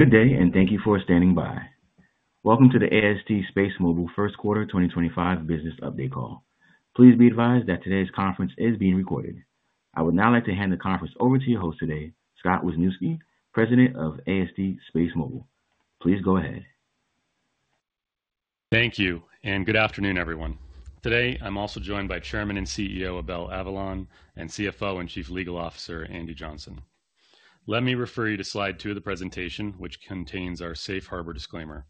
Good day, and thank you for standing by. Welcome to the AST SpaceMobile First Quarter 2025 Business Update Call. Please be advised that today's conference is being recorded. I would now like to hand the conference over to your host today, Scott Wisniewski, President of AST SpaceMobile. Please go ahead. Thank you, and good afternoon, everyone. Today, I'm also joined by Chairman and CEO Abel Avellan and CFO and Chief Legal Officer Andy Johnson. Let me refer you to slide two of the presentation, which contains our safe harbor disclaimer.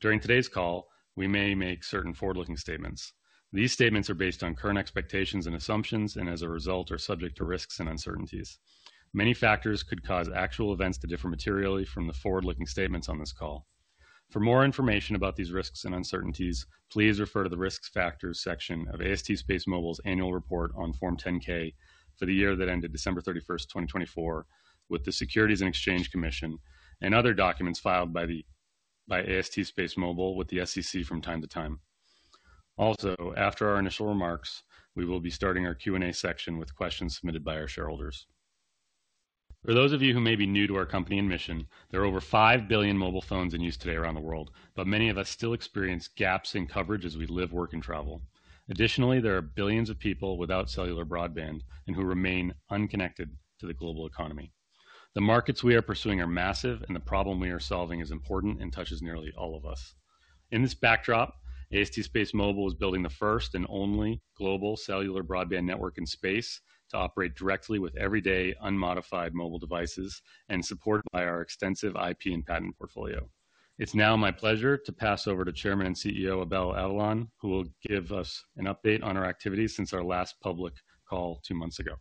During today's call, we may make certain forward-looking statements. These statements are based on current expectations and assumptions, and as a result, are subject to risks and uncertainties. Many factors could cause actual events to differ materially from the forward-looking statements on this call. For more information about these risks and uncertainties, please refer to the Risk Factors section of AST SpaceMobile's annual report on Form 10-K for the year that ended December 31st, 2024, with the Securities and Exchange Commission and other documents filed by AST SpaceMobile with the SEC from time to time. Also, after our initial remarks, we will be starting our Q&A section with questions submitted by our shareholders. For those of you who may be new to our company and mission, there are over 5 billion mobile phones in use today around the world, but many of us still experience gaps in coverage as we live, work, and travel. Additionally, there are billions of people without cellular broadband and who remain unconnected to the global economy. The markets we are pursuing are massive, and the problem we are solving is important and touches nearly all of us. In this backdrop, AST SpaceMobile is building the first and only global cellular broadband network in space to operate directly with everyday unmodified mobile devices and supported by our extensive IP and patent portfolio. It's now my pleasure to pass over to Chairman and CEO Abel Avellan, who will give us an update on our activities since our last public call two months ago.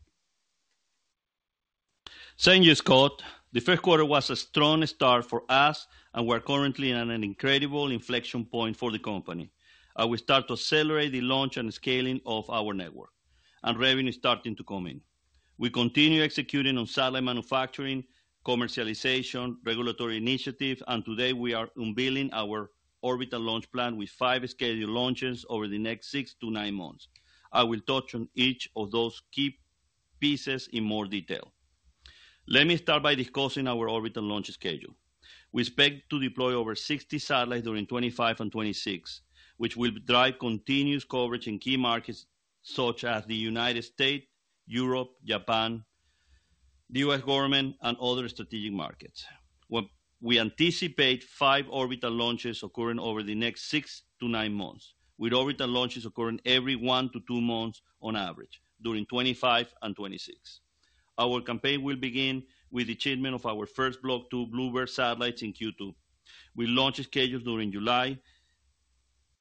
Thank you, Scott. The first quarter was a strong start for us, and we are currently at an incredible inflection point for the company. We start to accelerate the launch and scaling of our network, and revenue is starting to come in. We continue executing on satellite manufacturing, commercialization, regulatory initiatives, and today we are unveiling our orbital launch plan with five scheduled launches over the next six to nine months. I will touch on each of those key pieces in more detail. Let me start by discussing our orbital launch schedule. We expect to deploy over 60 satellites during 2025 and 2026, which will drive continuous coverage in key markets such as the United States, Europe, Japan, the U.S. government, and other strategic markets. We anticipate five orbital launches occurring over the next six to nine months, with orbital launches occurring every one to two months on average during 2025 and 2026. Our campaign will begin with the achievement of our first Block 2 BlueBird satellites in Q2. We launch scheduled during July.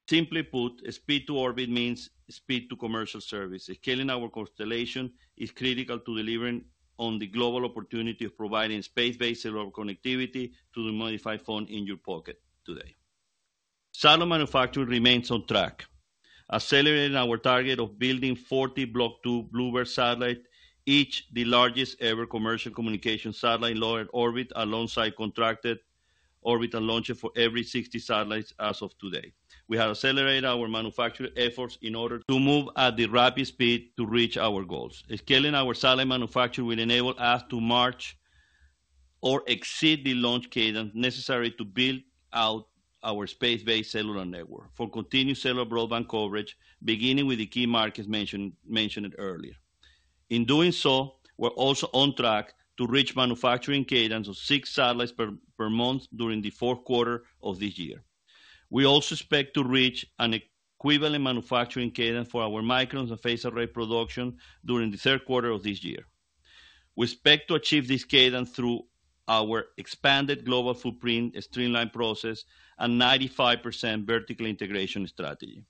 Simply put, speed to orbit means speed to commercial service. Scaling our constellation is critical to delivering on the global opportunity of providing space-based cellular connectivity to the modified phone in your pocket today. Satellite manufacturing remains on track, accelerating our target of building 40 Block 2 BlueBird satellites, each the largest ever commercial communication satellite launched in orbit alongside contracted orbital launches for every 60 satellites as of today. We have accelerated our manufacturing efforts in order to move at the rapid speed to reach our goals. Scaling our satellite manufacturing will enable us to match or exceed the launch cadence necessary to build out our space-based cellular network for continued cellular broadband coverage, beginning with the key markets mentioned earlier. In doing so, we're also on track to reach manufacturing cadence of six satellites per month during the fourth quarter of this year. We also expect to reach an equivalent manufacturing cadence for our microns and phased array production during the third quarter of this year. We expect to achieve this cadence through our expanded global footprint, streamlined process, and 95% vertical integration strategy.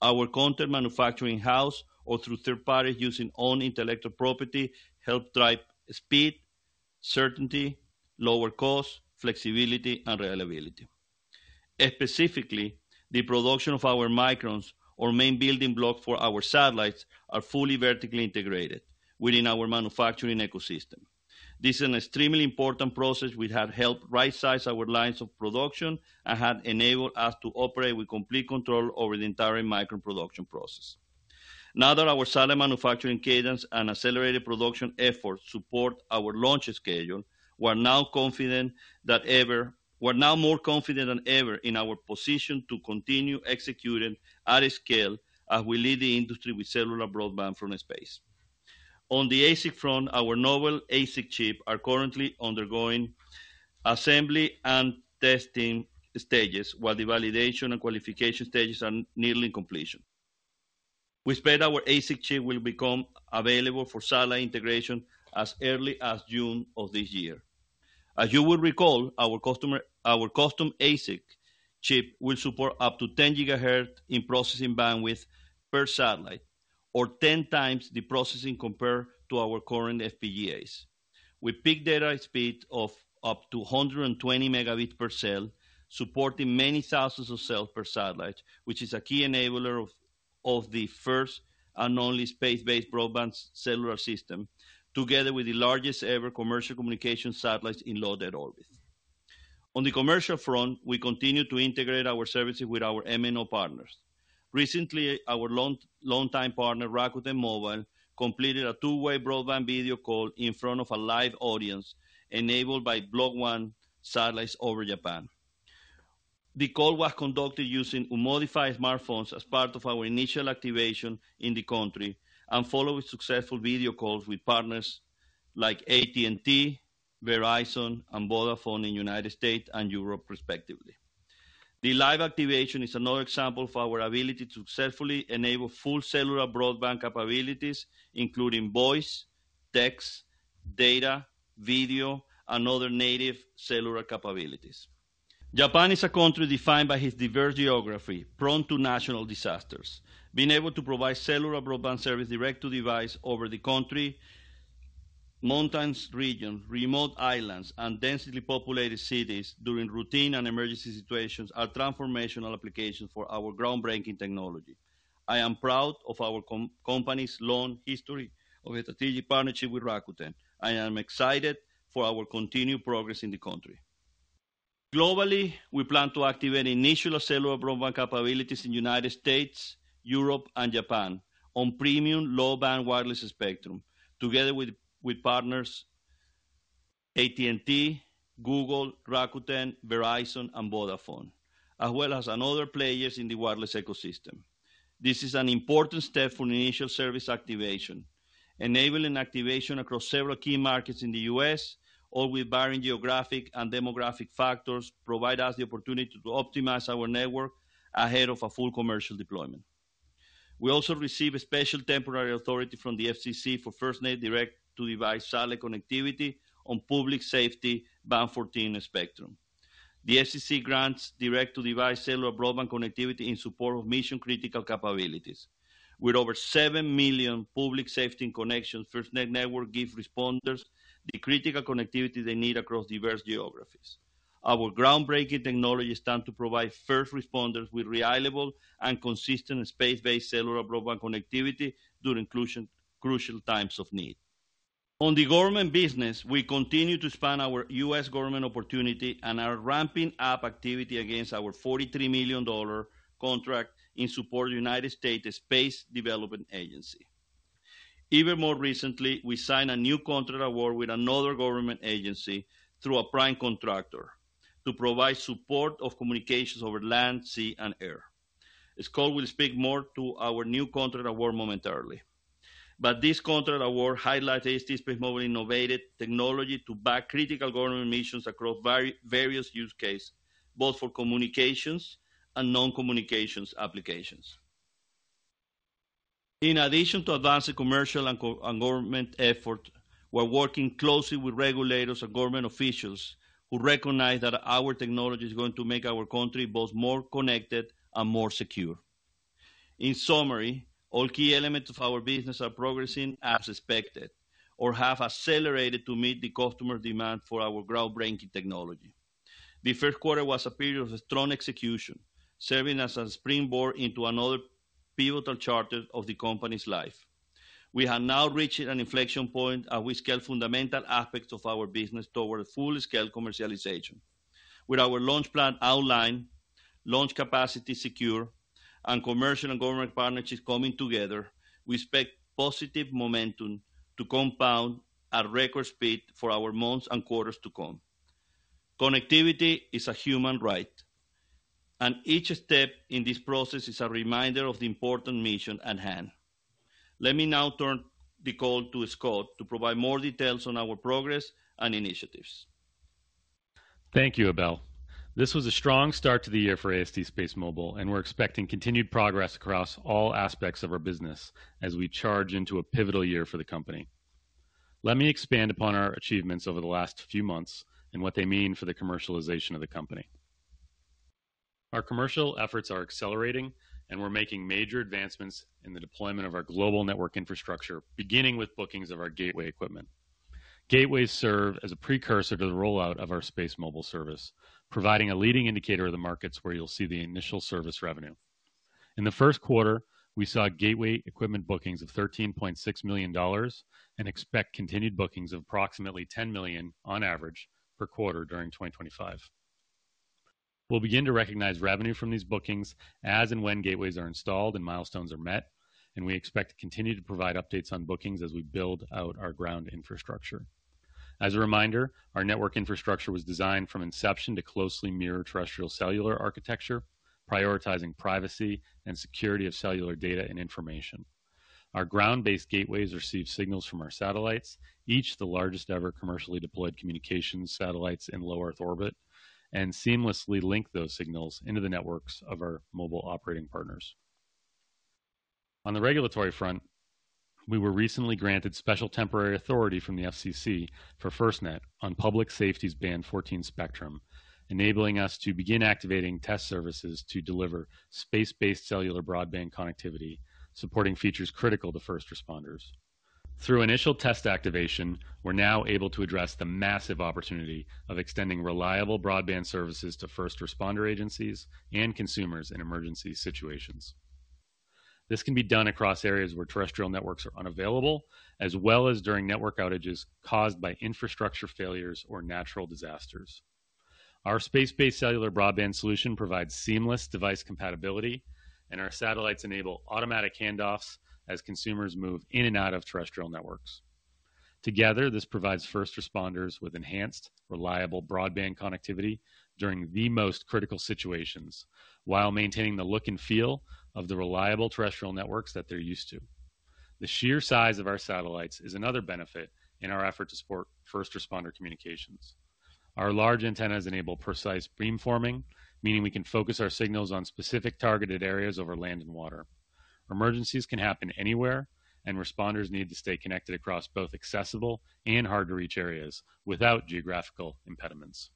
Our content manufacturing in-house or through third parties using our own intellectual property helps drive speed, certainty, lower cost, flexibility, and reliability. Specifically, the production of our microns, our main building block for our satellites, is fully vertically integrated within our manufacturing ecosystem. This is an extremely important process which has helped right-size our lines of production and has enabled us to operate with complete control over the entire micron production process. Now that our satellite manufacturing cadence and accelerated production efforts support our launch schedule, we're now more confident than ever in our position to continue executing at a scale as we lead the industry with cellular broadband from space. On the ASIC front, our novel ASIC chips are currently undergoing assembly and testing stages, while the validation and qualification stages are nearing completion. We expect our ASIC chips will become available for satellite integration as early as June of this year. As you will recall, our custom ASIC chip will support up to 10 GHz in processing bandwidth per satellite, or 10x the processing compared to our current FPGAs. We picked data speeds of up to 120 Mb per cell, supporting many thousands of cells per satellite, which is a key enabler of the first and only space-based broadband cellular system, together with the largest ever commercial communication satellites in launched orbit. On the commercial front, we continue to integrate our services with our MNO partners. Recently, our long-time partner, Rakuten Mobile, completed a two-way broadband video call in front of a live audience enabled by Block 1 satellites over Japan. The call was conducted using unmodified smartphones as part of our initial activation in the country and followed with successful video calls with partners like AT&T, Verizon, and Vodafone in the United States and Europe, respectively. The live activation is another example of our ability to successfully enable full cellular broadband capabilities, including voice, text, data, video, and other native cellular capabilities. Japan is a country defined by its diverse geography, prone to natural disasters. Being able to provide cellular broadband service direct to device over the country, mountainous regions, remote islands, and densely populated cities during routine and emergency situations are transformational applications for our groundbreaking technology. I am proud of our company's long history of strategic partnership with Rakuten, and I am excited for our continued progress in the country. Globally, we plan to activate initial cellular broadband capabilities in the United States, Europe, and Japan on premium low-band wireless spectrum, together with partners AT&T, Google, Rakuten, Verizon, and Vodafone, as well as other players in the wireless ecosystem. This is an important step for initial service activation. Enabling activation across several key markets in the U.S., or with varying geographic and demographic factors, provides us the opportunity to optimize our network ahead of a full commercial deployment. We also received a special temporary authority from the FCC for FirstNet direct-to-device satellite connectivity on public safety Band 14 spectrum. The FCC grants direct-to-device cellular broadband connectivity in support of mission-critical capabilities. With over 7 million public safety connections, the FirstNet network gives responders the critical connectivity they need across diverse geographies. Our groundbreaking technologies stand to provide first responders with reliable and consistent space-based cellular broadband connectivity during crucial times of need. On the government business, we continue to expand our U.S. government opportunity and are ramping up activity against our $43 million contract in support of the United States Space Development Agency. Even more recently, we signed a new contract award with another government agency through a prime contractor to provide support of communications over land, sea, and air. Scott will speak more to our new contract award momentarily. This contract award highlights AST SpaceMobile's innovative technology to back critical government missions across various use cases, both for communications and non-communications applications. In addition to advancing commercial and government efforts, we're working closely with regulators and government officials who recognize that our technology is going to make our country both more connected and more secure. In summary, all key elements of our business are progressing as expected or have accelerated to meet the customer demand for our groundbreaking technology. The first quarter was a period of strong execution, serving as a springboard into another pivotal chapter of the company's life. We have now reached an inflection point as we scale fundamental aspects of our business toward full-scale commercialization. With our launch plan outlined, launch capacity secure, and commercial and government partnerships coming together, we expect positive momentum to compound at record speed for our months and quarters to come. Connectivity is a human right, and each step in this process is a reminder of the important mission at hand. Let me now turn the call to Scott to provide more details on our progress and initiatives. Thank you, Abel. This was a strong start to the year for AST SpaceMobile, and we're expecting continued progress across all aspects of our business as we charge into a pivotal year for the company. Let me expand upon our achievements over the last few months and what they mean for the commercialization of the company. Our commercial efforts are accelerating, and we're making major advancements in the deployment of our global network infrastructure, beginning with bookings of our gateway equipment. Gateways serve as a precursor to the rollout of our SpaceMobile service, providing a leading indicator of the markets where you'll see the initial service revenue. In the first quarter, we saw gateway equipment bookings of $13.6 million and expect continued bookings of approximately $10 million on average per quarter during 2025. We'll begin to recognize revenue from these bookings as and when gateways are installed and milestones are met, and we expect to continue to provide updates on bookings as we build out our ground infrastructure. As a reminder, our network infrastructure was designed from inception to closely mirror terrestrial cellular architecture, prioritizing privacy and security of cellular data and information. Our ground-based gateways receive signals from our satellites, each the largest ever commercially deployed communications satellites in low Earth orbit, and seamlessly link those signals into the networks of our mobile operating partners. On the regulatory front, we were recently granted special temporary authority from the FCC for FirstNet on public safety's band 14 spectrum, enabling us to begin activating test services to deliver space-based cellular broadband connectivity, supporting features critical to first responders. Through initial test activation, we're now able to address the massive opportunity of extending reliable broadband services to first responder agencies and consumers in emergency situations. This can be done across areas where terrestrial networks are unavailable, as well as during network outages caused by infrastructure failures or natural disasters. Our space-based cellular broadband solution provides seamless device compatibility, and our satellites enable automatic handoffs as consumers move in and out of terrestrial networks. Together, this provides first responders with enhanced, reliable broadband connectivity during the most critical situations, while maintaining the look and feel of the reliable terrestrial networks that they're used to. The sheer size of our satellites is another benefit in our effort to support first responder communications. Our large antennas enable precise beamforming, meaning we can focus our signals on specific targeted areas over land and water. Emergencies can happen anywhere, and responders need to stay connected across both accessible and hard-to-reach areas without geographical impediments.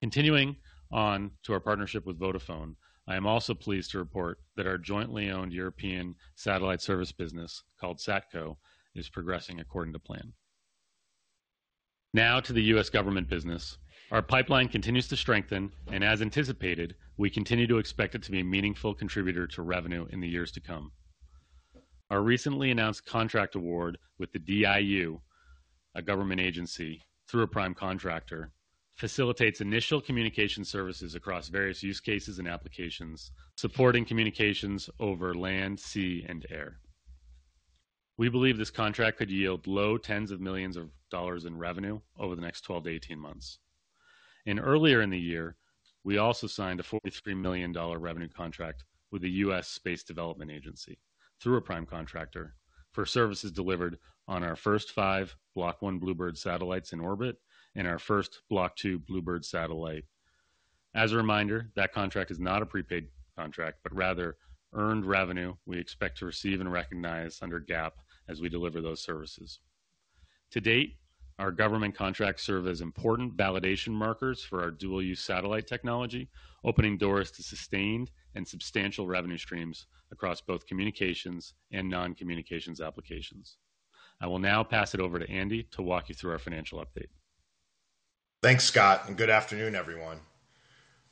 Continuing on to our partnership with Vodafone, I am also pleased to report that our jointly owned European satellite service business called SatCo is progressing according to plan. Now to the U.S. government business. Our pipeline continues to strengthen, and as anticipated, we continue to expect it to be a meaningful contributor to revenue in the years to come. Our recently announced contract award with the DIU, a government agency through a prime contractor, facilitates initial communication services across various use cases and applications, supporting communications over land, sea, and air. We believe this contract could yield low tens of millions of dollars in revenue over the next 12-18 months. Earlier in the year, we also signed a $43 million revenue contract with the U.S. Space Development Agency through a prime contractor for services delivered on our first five Block 1 BlueBird satellites in orbit and our first Block 2 BlueBird satellite. As a reminder, that contract is not a prepaid contract, but rather earned revenue we expect to receive and recognize under GAAP as we deliver those services. To date, our government contracts serve as important validation markers for our dual-use satellite technology, opening doors to sustained and substantial revenue streams across both communications and non-communications applications. I will now pass it over to Andy to walk you through our financial update. Thanks, Scott, and good afternoon, everyone.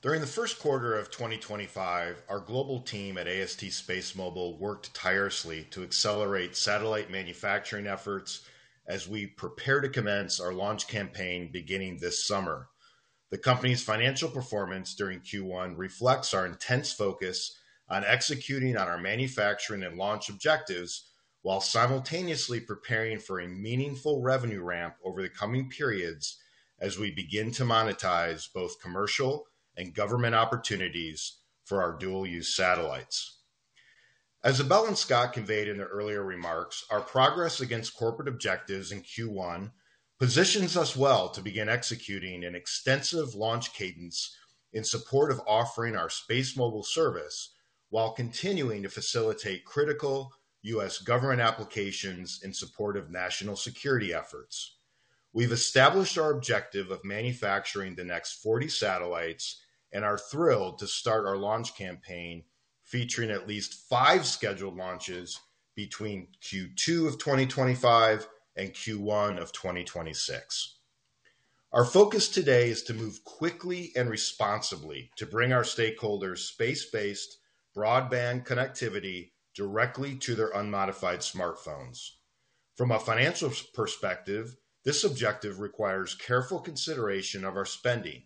During the first quarter of 2025, our global team at AST SpaceMobile worked tirelessly to accelerate satellite manufacturing efforts as we prepared to commence our launch campaign beginning this summer. The company's financial performance during Q1 reflects our intense focus on executing on our manufacturing and launch objectives while simultaneously preparing for a meaningful revenue ramp over the coming periods as we begin to monetize both commercial and government opportunities for our dual-use satellites. As Abel and Scott conveyed in their earlier remarks, our progress against corporate objectives in Q1 positions us well to begin executing an extensive launch cadence in support of offering our SpaceMobile service while continuing to facilitate critical U.S. government applications in support of national security efforts. We've established our objective of manufacturing the next 40 satellites and are thrilled to start our launch campaign featuring at least five scheduled launches between Q2 of 2025 and Q1 of 2026. Our focus today is to move quickly and responsibly to bring our stakeholders' space-based broadband connectivity directly to their unmodified smartphones. From a financial perspective, this objective requires careful consideration of our spending,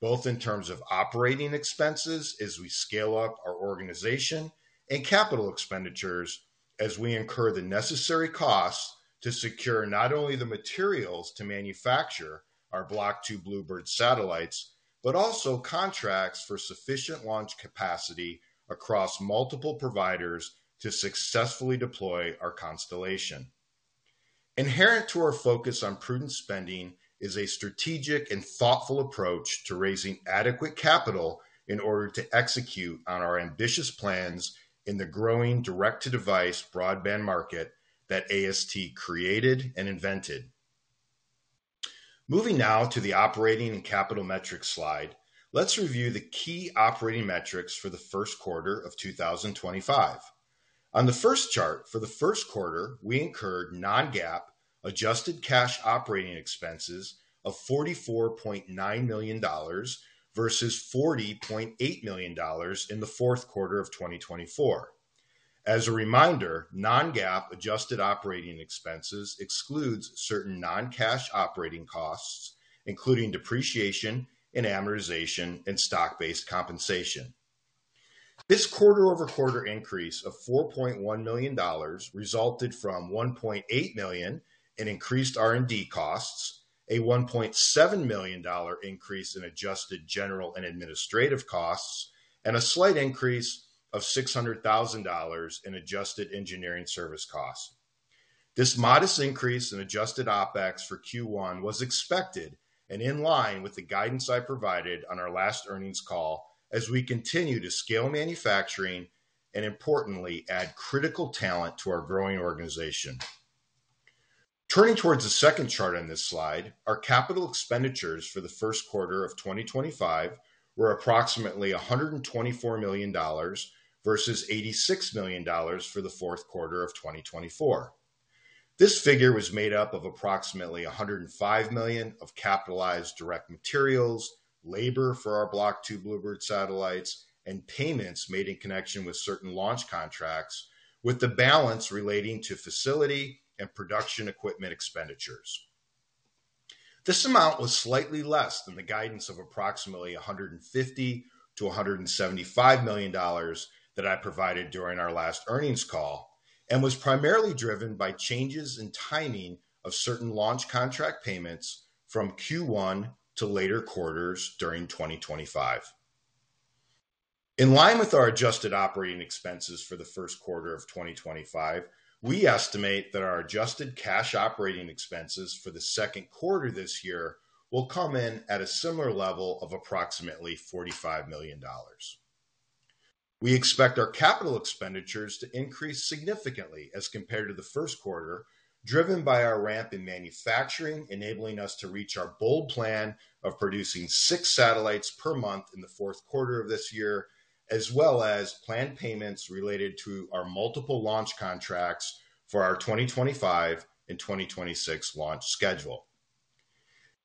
both in terms of operating expenses as we scale up our organization and capital expenditures as we incur the necessary costs to secure not only the materials to manufacture our Block 2 BlueBird satellites, but also contracts for sufficient launch capacity across multiple providers to successfully deploy our constellation. Inherent to our focus on prudent spending is a strategic and thoughtful approach to raising adequate capital in order to execute on our ambitious plans in the growing direct-to-device broadband market that AST created and invented. Moving now to the operating and capital metrics slide, let's review the key operating metrics for the first quarter of 2025. On the first chart for the first quarter, we incurred non-GAAP adjusted cash operating expenses of $44.9 million versus $40.8 million in the fourth quarter of 2024. As a reminder, non-GAAP adjusted operating expenses excludes certain non-cash operating costs, including depreciation and amortization and stock-based compensation. This quarter-over-quarter increase of $4.1 million resulted from $1.8 million in increased R&D costs, a $1.7 million increase in adjusted general and administrative costs, and a slight increase of $600,000 in adjusted engineering service costs. This modest increase in adjusted OpEx for Q1 was expected and in line with the guidance I provided on our last earnings call as we continue to scale manufacturing and, importantly, add critical talent to our growing organization. Turning towards the second chart on this slide, our capital expenditures for the first quarter of 2025 were approximately $124 million versus $86 million for the fourth quarter of 2024. This figure was made up of approximately $105 million of capitalized direct materials, labor for our Block 2 BlueBird satellites, and payments made in connection with certain launch contracts, with the balance relating to facility and production equipment expenditures. This amount was slightly less than the guidance of approximately $150 million-$175 million that I provided during our last earnings call and was primarily driven by changes in timing of certain launch contract payments from Q1 to later quarters during 2025. In line with our adjusted operating expenses for the first quarter of 2025, we estimate that our adjusted cash operating expenses for the second quarter this year will come in at a similar level of approximately $45 million. We expect our capital expenditures to increase significantly as compared to the first quarter, driven by our ramp in manufacturing, enabling us to reach our bold plan of producing six satellites per month in the fourth quarter of this year, as well as planned payments related to our multiple launch contracts for our 2025 and 2026 launch schedule.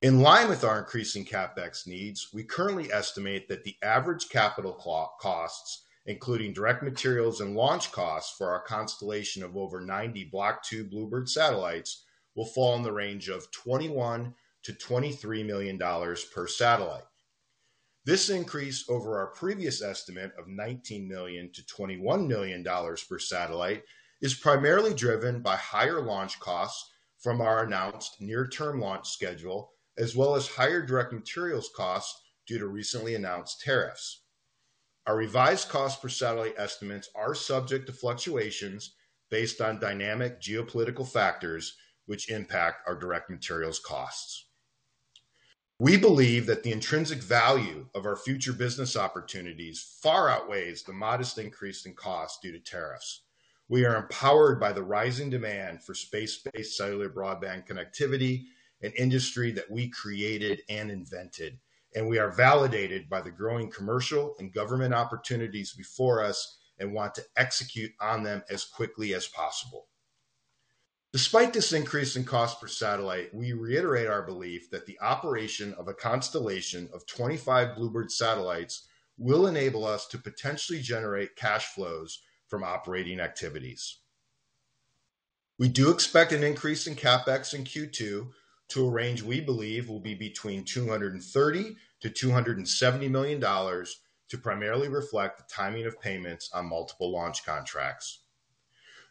In line with our increasing CapEx needs, we currently estimate that the average capital costs, including direct materials and launch costs for our constellation of over 90 Block 2 BlueBird satellites, will fall in the range of $21 million-$23 million per satellite. This increase over our previous estimate of $19 million-$21 million per satellite is primarily driven by higher launch costs from our announced near-term launch schedule, as well as higher direct materials costs due to recently announced tariffs. Our revised costs per satellite estimates are subject to fluctuations based on dynamic geopolitical factors, which impact our direct materials costs. We believe that the intrinsic value of our future business opportunities far outweighs the modest increase in costs due to tariffs. We are empowered by the rising demand for space-based cellular broadband connectivity and industry that we created and invented, and we are validated by the growing commercial and government opportunities before us and want to execute on them as quickly as possible. Despite this increase in costs per satellite, we reiterate our belief that the operation of a constellation of 25 BlueBird satellites will enable us to potentially generate cash flows from operating activities. We do expect an increase in CapEx in Q2 to a range we believe will be between $230 million-$270 million to primarily reflect the timing of payments on multiple launch contracts.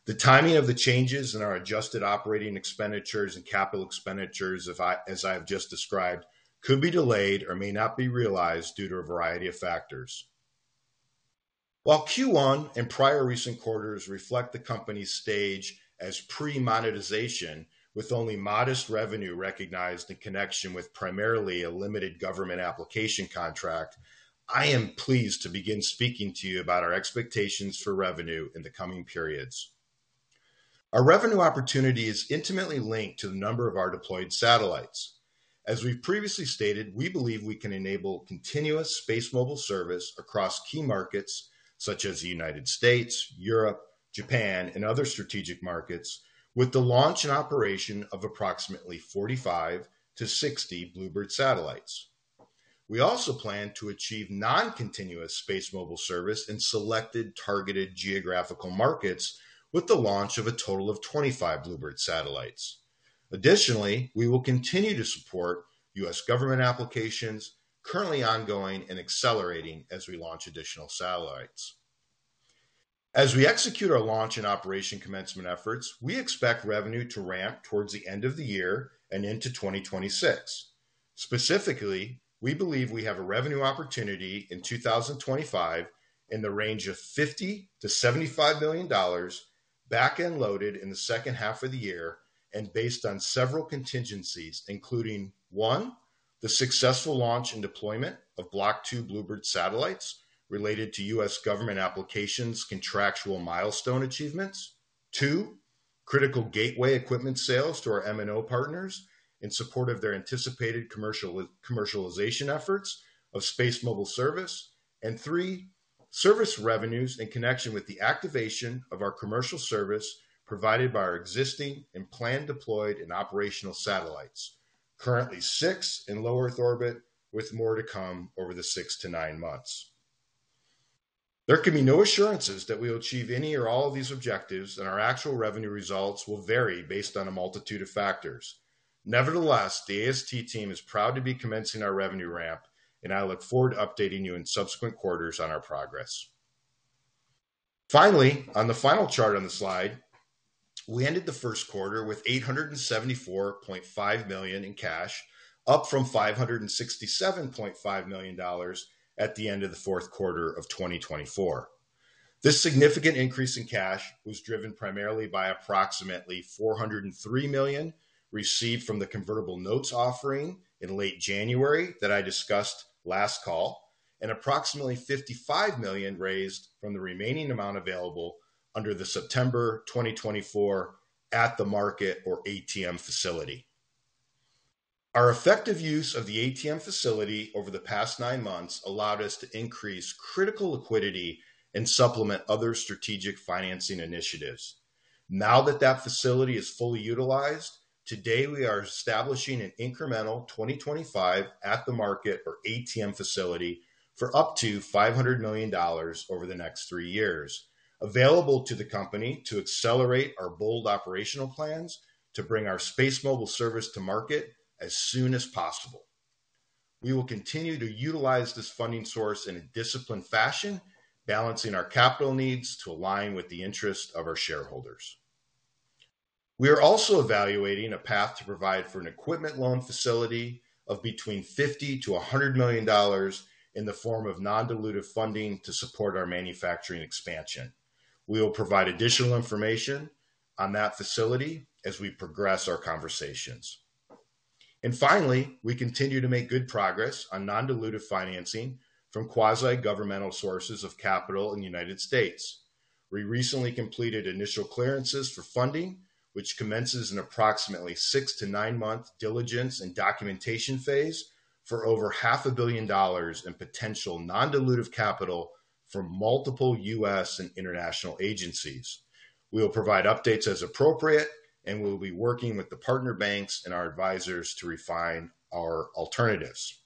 The timing of the changes in our adjusted operating expenditures and capital expenditures, as I have just described, could be delayed or may not be realized due to a variety of factors. While Q1 and prior recent quarters reflect the company's stage as pre-monetization, with only modest revenue recognized in connection with primarily a limited government application contract, I am pleased to begin speaking to you about our expectations for revenue in the coming periods. Our revenue opportunity is intimately linked to the number of our deployed satellites. As we've previously stated, we believe we can enable continuous SpaceMobile service across key markets such as the United States, Europe, Japan, and other strategic markets, with the launch and operation of approximately 45-60 BlueBird satellites. We also plan to achieve non-continuous SpaceMobile service in selected targeted geographical markets with the launch of a total of 25 BlueBird satellites. Additionally, we will continue to support U.S. government applications currently ongoing and accelerating as we launch additional satellites. As we execute our launch and operation commencement efforts, we expect revenue to ramp towards the end of the year and into 2026. Specifically, we believe we have a revenue opportunity in 2025 in the range of $50 million-$75 million back and loaded in the second half of the year and based on several contingencies, including: one, the successful launch and deployment of Block 2 BlueBird satellites related to U.S. Government applications' contractual milestone achievements, two, critical gateway equipment sales to our M&O partners in support of their anticipated commercialization efforts of SpaceMobile service, and three, service revenues in connection with the activation of our commercial service provided by our existing and planned deployed and operational satellites, currently six in low Earth orbit, with more to come over the six to nine months. There can be no assurances that we will achieve any or all of these objectives, and our actual revenue results will vary based on a multitude of factors. Nevertheless, the AST team is proud to be commencing our revenue ramp, and I look forward to updating you in subsequent quarters on our progress. Finally, on the final chart on the slide, we ended the first quarter with $874.5 million in cash, up from $567.5 million at the end of the fourth quarter of 2024. This significant increase in cash was driven primarily by approximately $403 million received from the convertible notes offering in late January that I discussed last call, and approximately $55 million raised from the remaining amount available under the September 2024 at-the-market or ATM facility. Our effective use of the ATM facility over the past nine months allowed us to increase critical liquidity and supplement other strategic financing initiatives. Now that that facility is fully utilized, today we are establishing an incremental 2025 at-the-market or ATM facility for up to $500 million over the next three years, available to the company to accelerate our bold operational plans to bring our SpaceMobile service to market as soon as possible. We will continue to utilize this funding source in a disciplined fashion, balancing our capital needs to align with the interests of our shareholders. We are also evaluating a path to provide for an equipment loan facility of between $50 million-$100 million in the form of non-dilutive funding to support our manufacturing expansion. We will provide additional information on that facility as we progress our conversations. Finally, we continue to make good progress on non-dilutive financing from quasi-governmental sources of capital in the United States. We recently completed initial clearances for funding, which commences an approximately six to nine-month diligence and documentation phase for over $500,000,000 in potential non-dilutive capital from multiple U.S. and international agencies. We will provide updates as appropriate, and we will be working with the partner banks and our advisors to refine our alternatives.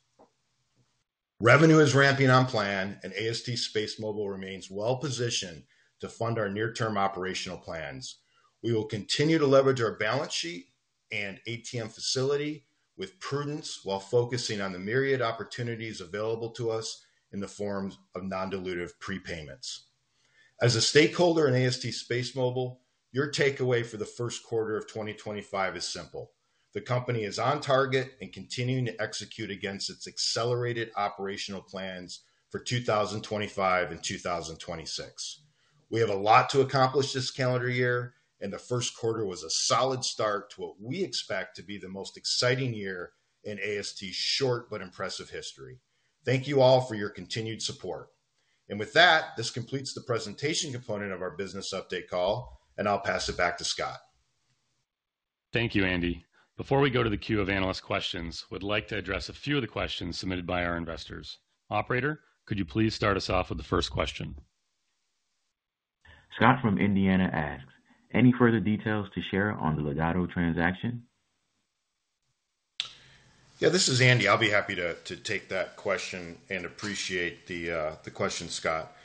Revenue is ramping on plan, and AST SpaceMobile remains well-positioned to fund our near-term operational plans. We will continue to leverage our balance sheet and ATM facility with prudence while focusing on the myriad opportunities available to us in the form of non-dilutive prepayments. As a stakeholder in AST SpaceMobile, your takeaway for the first quarter of 2025 is simple. The company is on target and continuing to execute against its accelerated operational plans for 2025 and 2026. We have a lot to accomplish this calendar year, and the first quarter was a solid start to what we expect to be the most exciting year in AST's short but impressive history. Thank you all for your continued support. This completes the presentation component of our business update call, and I'll pass it back to Scott. Thank you, Andy. Before we go to the queue of analyst questions, we'd like to address a few of the questions submitted by our investors. Operator, could you please start us off with the first question? Scott from Indiana asks, "Any further details to share on the Ligado transaction?" Yeah, this is Andy. I'll be happy to take that question and appreciate the question, Scott.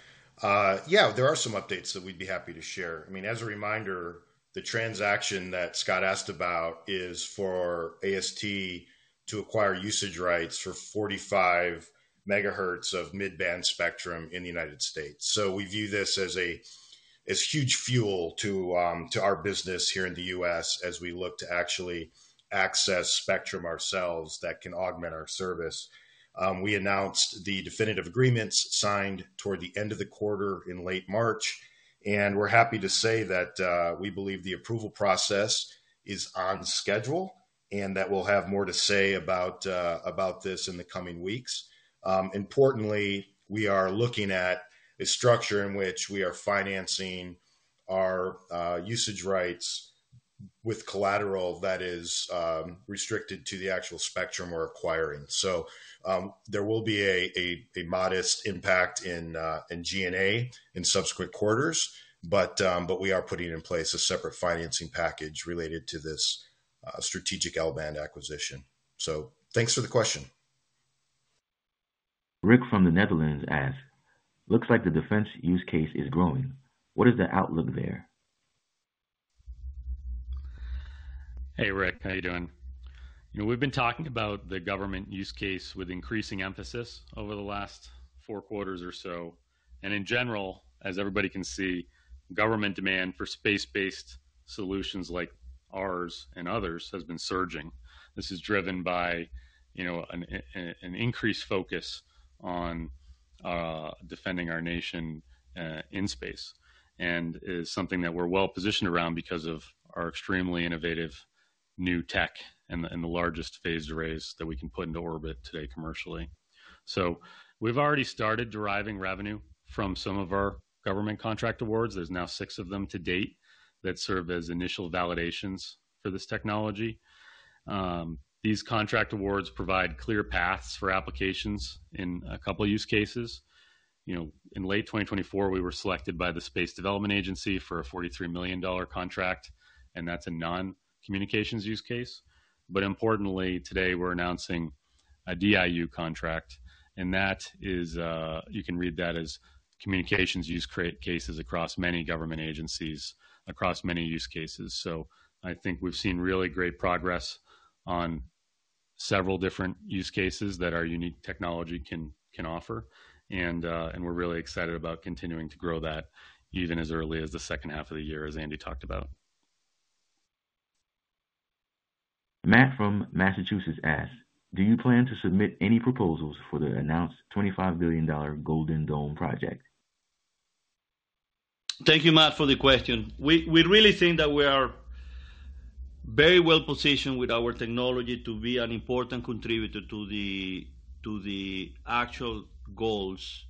Yeah, there are some updates that we'd be happy to share. I mean, as a reminder, the transaction that Scott asked about is for AST to acquire usage rights for 45 MHz of mid-band spectrum in the United States. We view this as a huge fuel to our business here in the U.S. as we look to actually access spectrum ourselves that can augment our service. We announced the definitive agreements signed toward the end of the quarter in late March, and we're happy to say that we believe the approval process is on schedule and that we'll have more to say about this in the coming weeks. Importantly, we are looking at a structure in which we are financing our usage rights with collateral that is restricted to the actual spectrum we are acquiring. There will be a modest impact in G&A in subsequent quarters, but we are putting in place a separate financing package related to this strategic L-band acquisition. Thanks for the question. Rick from the Netherlands asks, "Looks like the defense use case is growing. What is the outlook there?" Hey, Rick, how are you doing? You know, we have been talking about the government use case with increasing emphasis over the last four quarters or so. In general, as everybody can see, government demand for space-based solutions like ours and others has been surging. This is driven by an increased focus on defending our nation in space and is something that we're well-positioned around because of our extremely innovative new tech and the largest phased arrays that we can put into orbit today commercially. We've already started deriving revenue from some of our government contract awards. There are now six of them to date that serve as initial validations for this technology. These contract awards provide clear paths for applications in a couple of use cases. In late 2024, we were selected by the Space Development Agency for a $43 million contract, and that's a non-communications use case. Importantly, today we're announcing a DIU contract, and that is, you can read that as communications use cases across many government agencies, across many use cases. I think we've seen really great progress on several different use cases that our unique technology can offer, and we're really excited about continuing to grow that even as early as the second half of the year, as Andy talked about. Matt from Massachusetts asks, "Do you plan to submit any proposals for the announced $25 billion Golden Dome project?" Thank you, Matt, for the question. We really think that we are very well-positioned with our technology to be an important contributor to the actual goals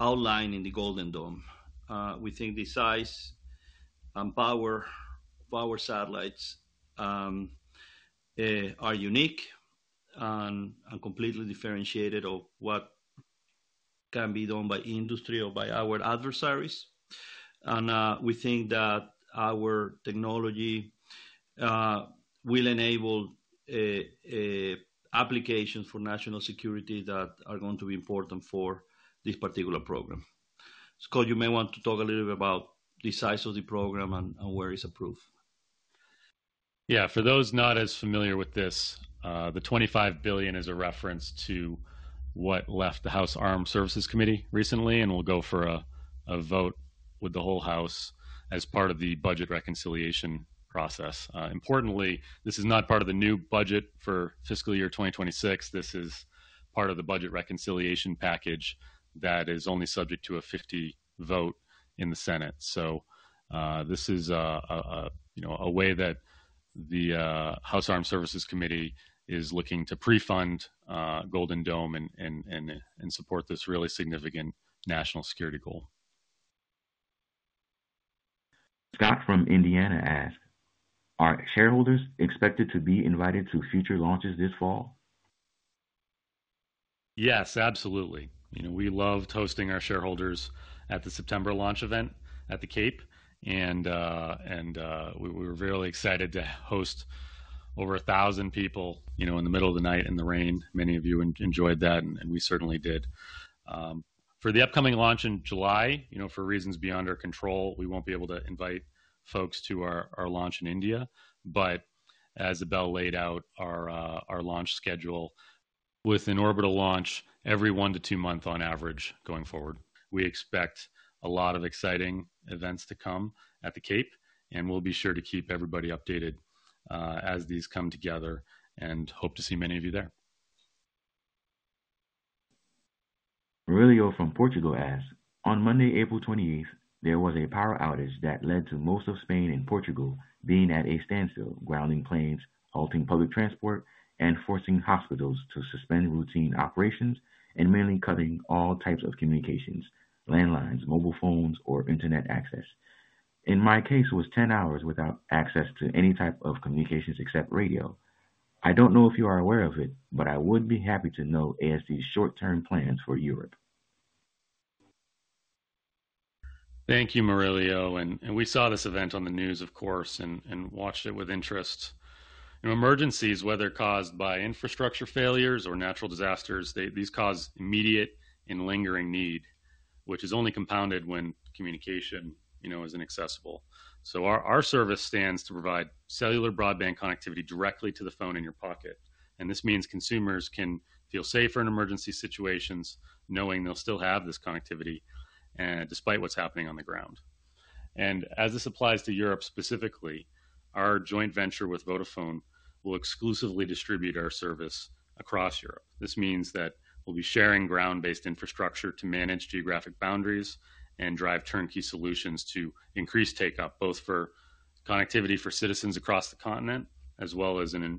outlined in the Golden Dome. We think the size and power of our satellites are unique and completely differentiated from what can be done by industry or by our adversaries. We think that our technology will enable applications for national security that are going to be important for this particular program. Scott, you may want to talk a little bit about the size of the program and where it's approved. Yeah, for those not as familiar with this, the $25 billion is a reference to what left the House Armed Services Committee recently, and will go for a vote with the whole House as part of the budget reconciliation process. Importantly, this is not part of the new budget for fiscal year 2026. This is part of the budget reconciliation package that is only subject to a 50 vote in the Senate. This is a way that the House Armed Services Committee is looking to prefund Golden Dome and support this really significant national security goal. Scott from Indiana asks, "Are shareholders expected to be invited to future launches this fall?" Yes, absolutely. We loved hosting our shareholders at the September launch event at the Cape, and we were really excited to host over a thousand people in the middle of the night in the rain. Many of you enjoyed that, and we certainly did. For the upcoming launch in July, for reasons beyond our control, we won't be able to invite folks to our launch in India. As Abel laid out our launch schedule, with an orbital launch every one to two months on average going forward, we expect a lot of exciting events to come at the Cape, and we'll be sure to keep everybody updated as these come together and hope to see many of you there. [Murilo] from Portugal asks, "On Monday, April 28, there was a power outage that led to most of Spain and Portugal being at a standstill, grounding planes, halting public transport, and forcing hospitals to suspend routine operations and mainly cutting all types of communications, landlines, mobile phones, or internet access. In my case, it was 10 hours without access to any type of communications except radio. I don't know if you are aware of it, but I would be happy to know AST's short-term plans for Europe." Thank you, [Murilo]. We saw this event on the news, of course, and watched it with interest. Emergencies, whether caused by infrastructure failures or natural disasters, cause immediate and lingering need, which is only compounded when communication is inaccessible. Our service stands to provide cellular broadband connectivity directly to the phone in your pocket. This means consumers can feel safer in emergency situations knowing they'll still have this connectivity despite what's happening on the ground. As this applies to Europe specifically, our joint venture with Vodafone will exclusively distribute our service across Europe. This means that we'll be sharing ground-based infrastructure to manage geographic boundaries and drive turnkey solutions to increase takeoff, both for connectivity for citizens across the continent, as well as in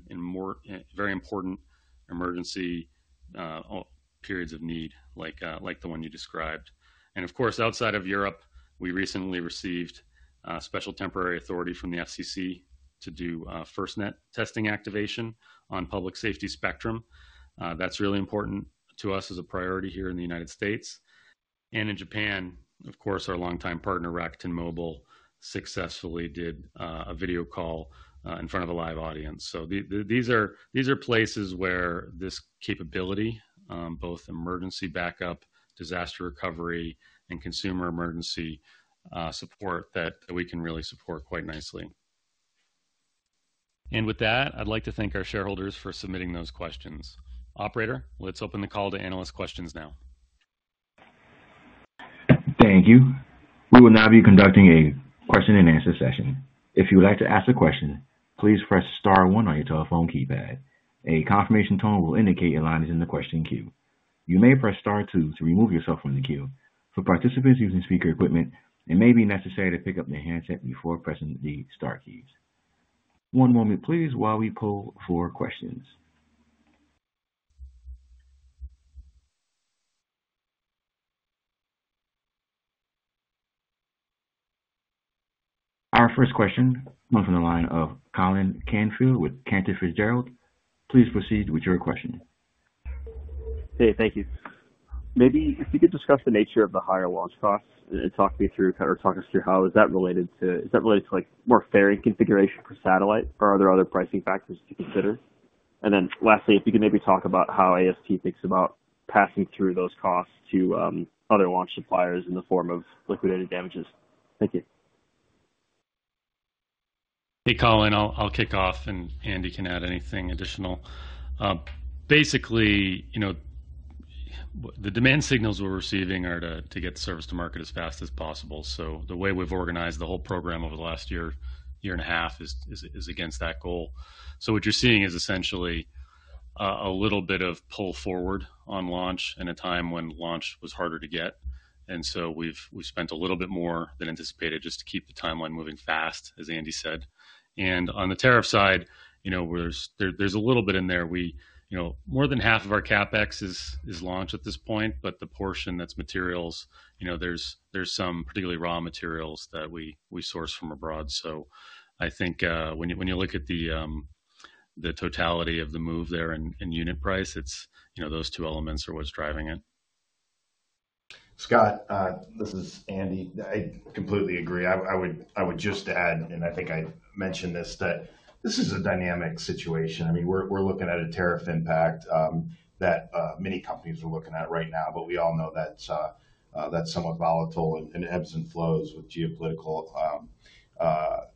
very important emergency periods of need like the one you described. Of course, outside of Europe, we recently received special temporary authority from the FCC to do FirstNet testing activation on public safety spectrum. That's really important to us as a priority here in the United States. In Japan, of course, our longtime partner Rakuten Mobile successfully did a video call in front of a live audience. These are places where this capability, both emergency backup, disaster recovery, and consumer emergency support, that we can really support quite nicely. With that, I'd like to thank our shareholders for submitting those questions. Operator, let's open the call to analyst questions now. Thank you. We will now be conducting a question-and-answer session. If you would like to ask a question, please press star one on your telephone keypad. A confirmation tone will indicate your line is in the question queue. You may press star two to remove yourself from the queue. For participants using speaker equipment, it may be necessary to pick up their handset before pressing the star keys. One moment, please, while we pull for questions. Our first question comes from the line of Colin Canfield with Cantor Fitzgerald. Please proceed with your question. Hey, thank you. Maybe if you could discuss the nature of the higher launch costs and talk me through or talk us through how is that related to, is that related to more fairing configuration for satellite or are there other pricing factors to consider? Lastly, if you can maybe talk about how AST thinks about passing through those costs to other launch suppliers in the form of liquidated damages. Thank you. Hey, Colin, I'll kick off, and Andy can add anything additional. Basically, the demand signals we're receiving are to get service to market as fast as possible. The way we've organized the whole program over the last year, year and a half, is against that goal. What you're seeing is essentially a little bit of pull forward on launch in a time when launch was harder to get. We have spent a little bit more than anticipated just to keep the timeline moving fast, as Andy said. On the tariff side, there is a little bit in there. More than half of our CapEx is launch at this point, but the portion that is materials, there are some particularly raw materials that we source from abroad. I think when you look at the totality of the move there and unit price, those two elements are what is driving it. Scott, this is Andy. I completely agree. I would just add, and I think I mentioned this, that this is a dynamic situation. I mean, we are looking at a tariff impact that many companies are looking at right now, but we all know that is somewhat volatile and ebbs and flows with geopolitical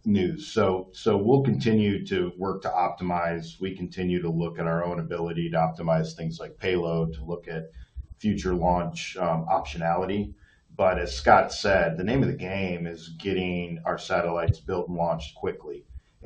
news. We will continue to work to optimize. We continue to look at our own ability to optimize things like payload, to look at future launch optionality. As Scott said, the name of the game is getting our satellites built and launched quickly.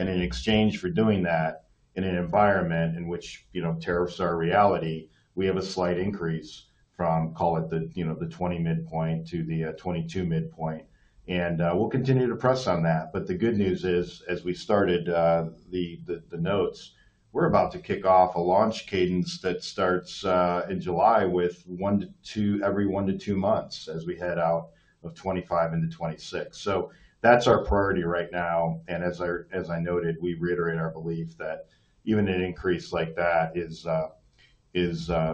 In exchange for doing that, in an environment in which tariffs are a reality, we have a slight increase from, call it the 20 midpoint to the 22 midpoint. We will continue to press on that. The good news is, as we started the notes, we are about to kick off a launch cadence that starts in July with every one to two months as we head out of 2025 into 2026. That is our priority right now. As I noted, we reiterate our belief that even an increase like that is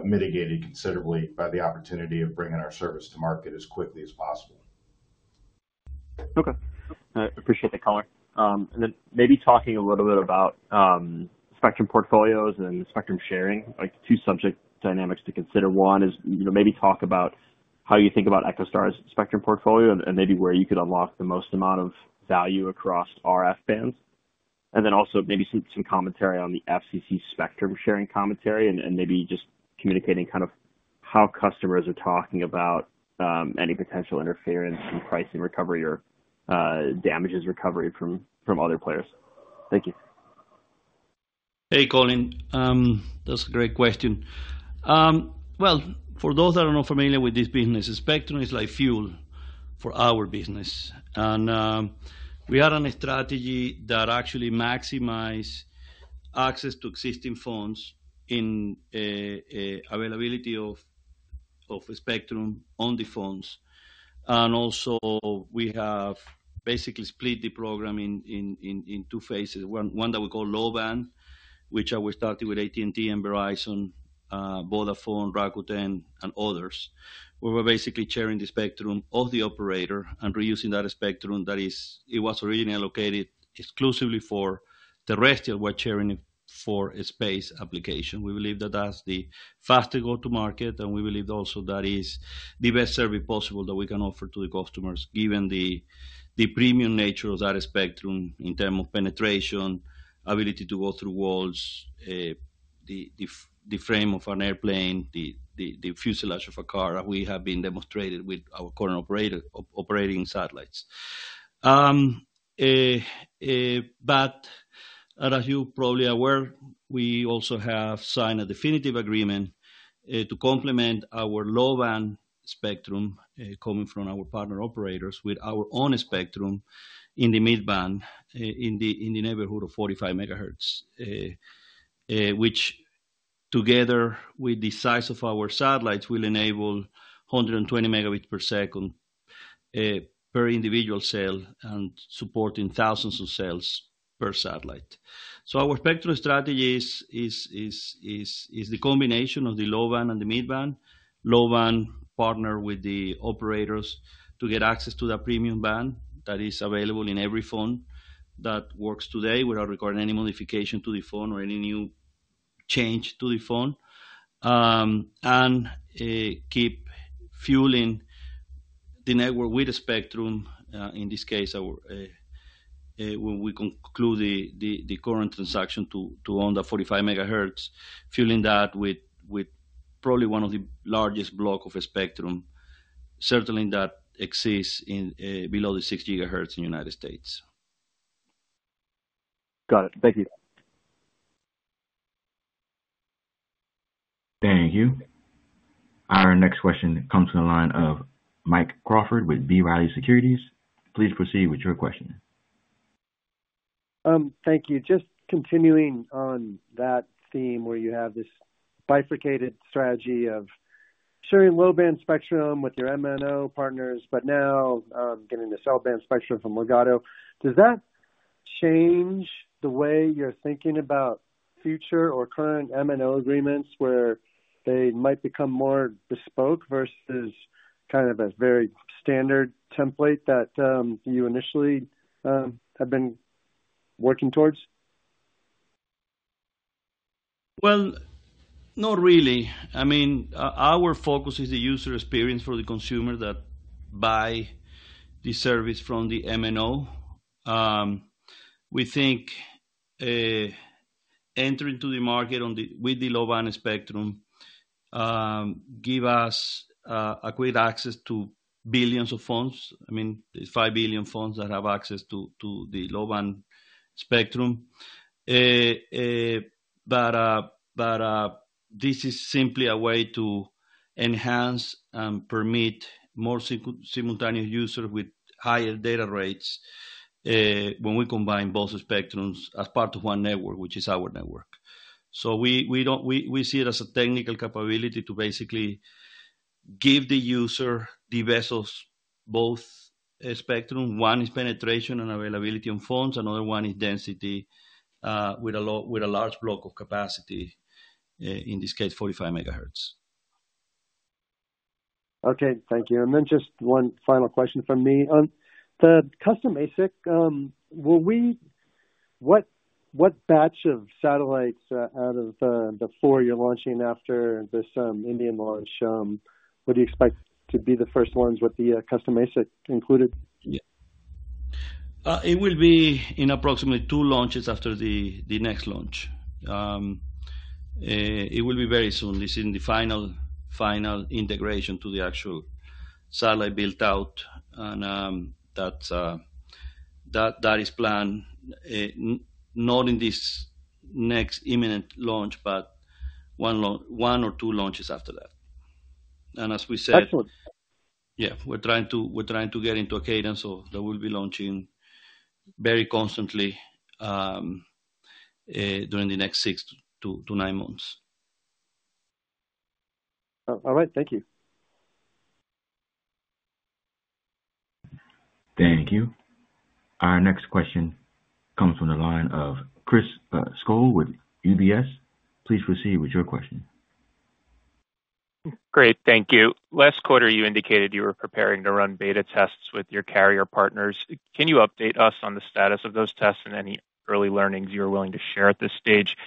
mitigated considerably by the opportunity of bringing our service to market as quickly as possible. Okay. I appreciate the color. Maybe talking a little bit about spectrum portfolios and spectrum sharing, two subject dynamics to consider. One is maybe talk about how you think about EchoStar's spectrum portfolio and maybe where you could unlock the most amount of value across RF bands. Also maybe some commentary on the FCC spectrum sharing commentary and maybe just communicating kind of how customers are talking about any potential interference in pricing recovery or damages recovery from other players. Thank you. Hey, Colin. That's a great question. For those that are not familiar with this business, spectrum is like fuel for our business. We had a strategy that actually maximized access to existing phones in availability of spectrum on the phones. Also we have basically split the program in two phases. One that we call low band, which we started with AT&T and Verizon, Vodafone, Rakuten, and others, where we're basically sharing the spectrum of the operator and reusing that spectrum that was originally allocated exclusively for terrestrial. We're sharing it for space application. We believe that that's the fastest go-to-market, and we believe also that is the best service possible that we can offer to the customers, given the premium nature of that spectrum in terms of penetration, ability to go through walls, the frame of an airplane, the fuselage of a car that we have been demonstrated with our current operating satellites. As you're probably aware, we also have signed a definitive agreement to complement our low-band spectrum coming from our partner operators with our own spectrum in the mid-band in the neighborhood of 45 MHz, which together with the size of our satellites will enable 120 Mbps per individual cell and supporting thousands of cells per satellite. Our spectrum strategy is the combination of the low-band and the mid-band. Low-band partner with the operators to get access to that premium band that is available in every phone that works today without requiring any modification to the phone or any new change to the phone. Keep fueling the network with spectrum, in this case, when we conclude the current transaction to own that 45 MHz, fueling that with probably one of the largest blocks of spectrum, certainly that exists below the 6 GHz in the United States. Got it. Thank you. Thank you. Our next question comes from the line of Mike Crawford with B. Riley Securities. Please proceed with your question. Thank you. Just continuing on that theme where you have this bifurcated strategy of sharing low-band spectrum with your MNO partners, but now getting the cell band spectrum from Ligado. Does that change the way you're thinking about future or current MNO agreements where they might become more bespoke versus kind of a very standard template that you initially have been working towards? Not really. I mean, our focus is the user experience for the consumer that buys the service from the MNO. We think entering to the market with the low-band spectrum gives us quick access to billions of phones. I mean, there are 5 billion phones that have access to the low-band spectrum. This is simply a way to enhance and permit more simultaneous users with higher data rates when we combine both spectrums as part of one network, which is our network. We see it as a technical capability to basically give the user the vessels, both spectrum. One is penetration and availability on phones. Another one is density with a large block of capacity, in this case, 45 MHz. Okay. Thank you. And then just one final question from me. The custom ASIC, what batch of satellites out of the four you're launching after this Indian launch, would you expect to be the first ones with the custom ASIC included? Yeah. It will be in approximately two launches after the next launch. It will be very soon. This is in the final integration to the actual satellite built out. That is planned not in this next imminent launch, but one or two launches after that. As we said. Excellent. Yeah. We're trying to get into a cadence of that we'll be launching very constantly during the next six to nine months. All right. Thank you. Thank you. Our next question comes from the line of Chris Schoell with UBS. Please proceed with your question. Great. Thank you. Last quarter, you indicated you were preparing to run beta tests with your carrier partners. Can you update us on the status of those tests and any early learnings you're willing to share at this stage?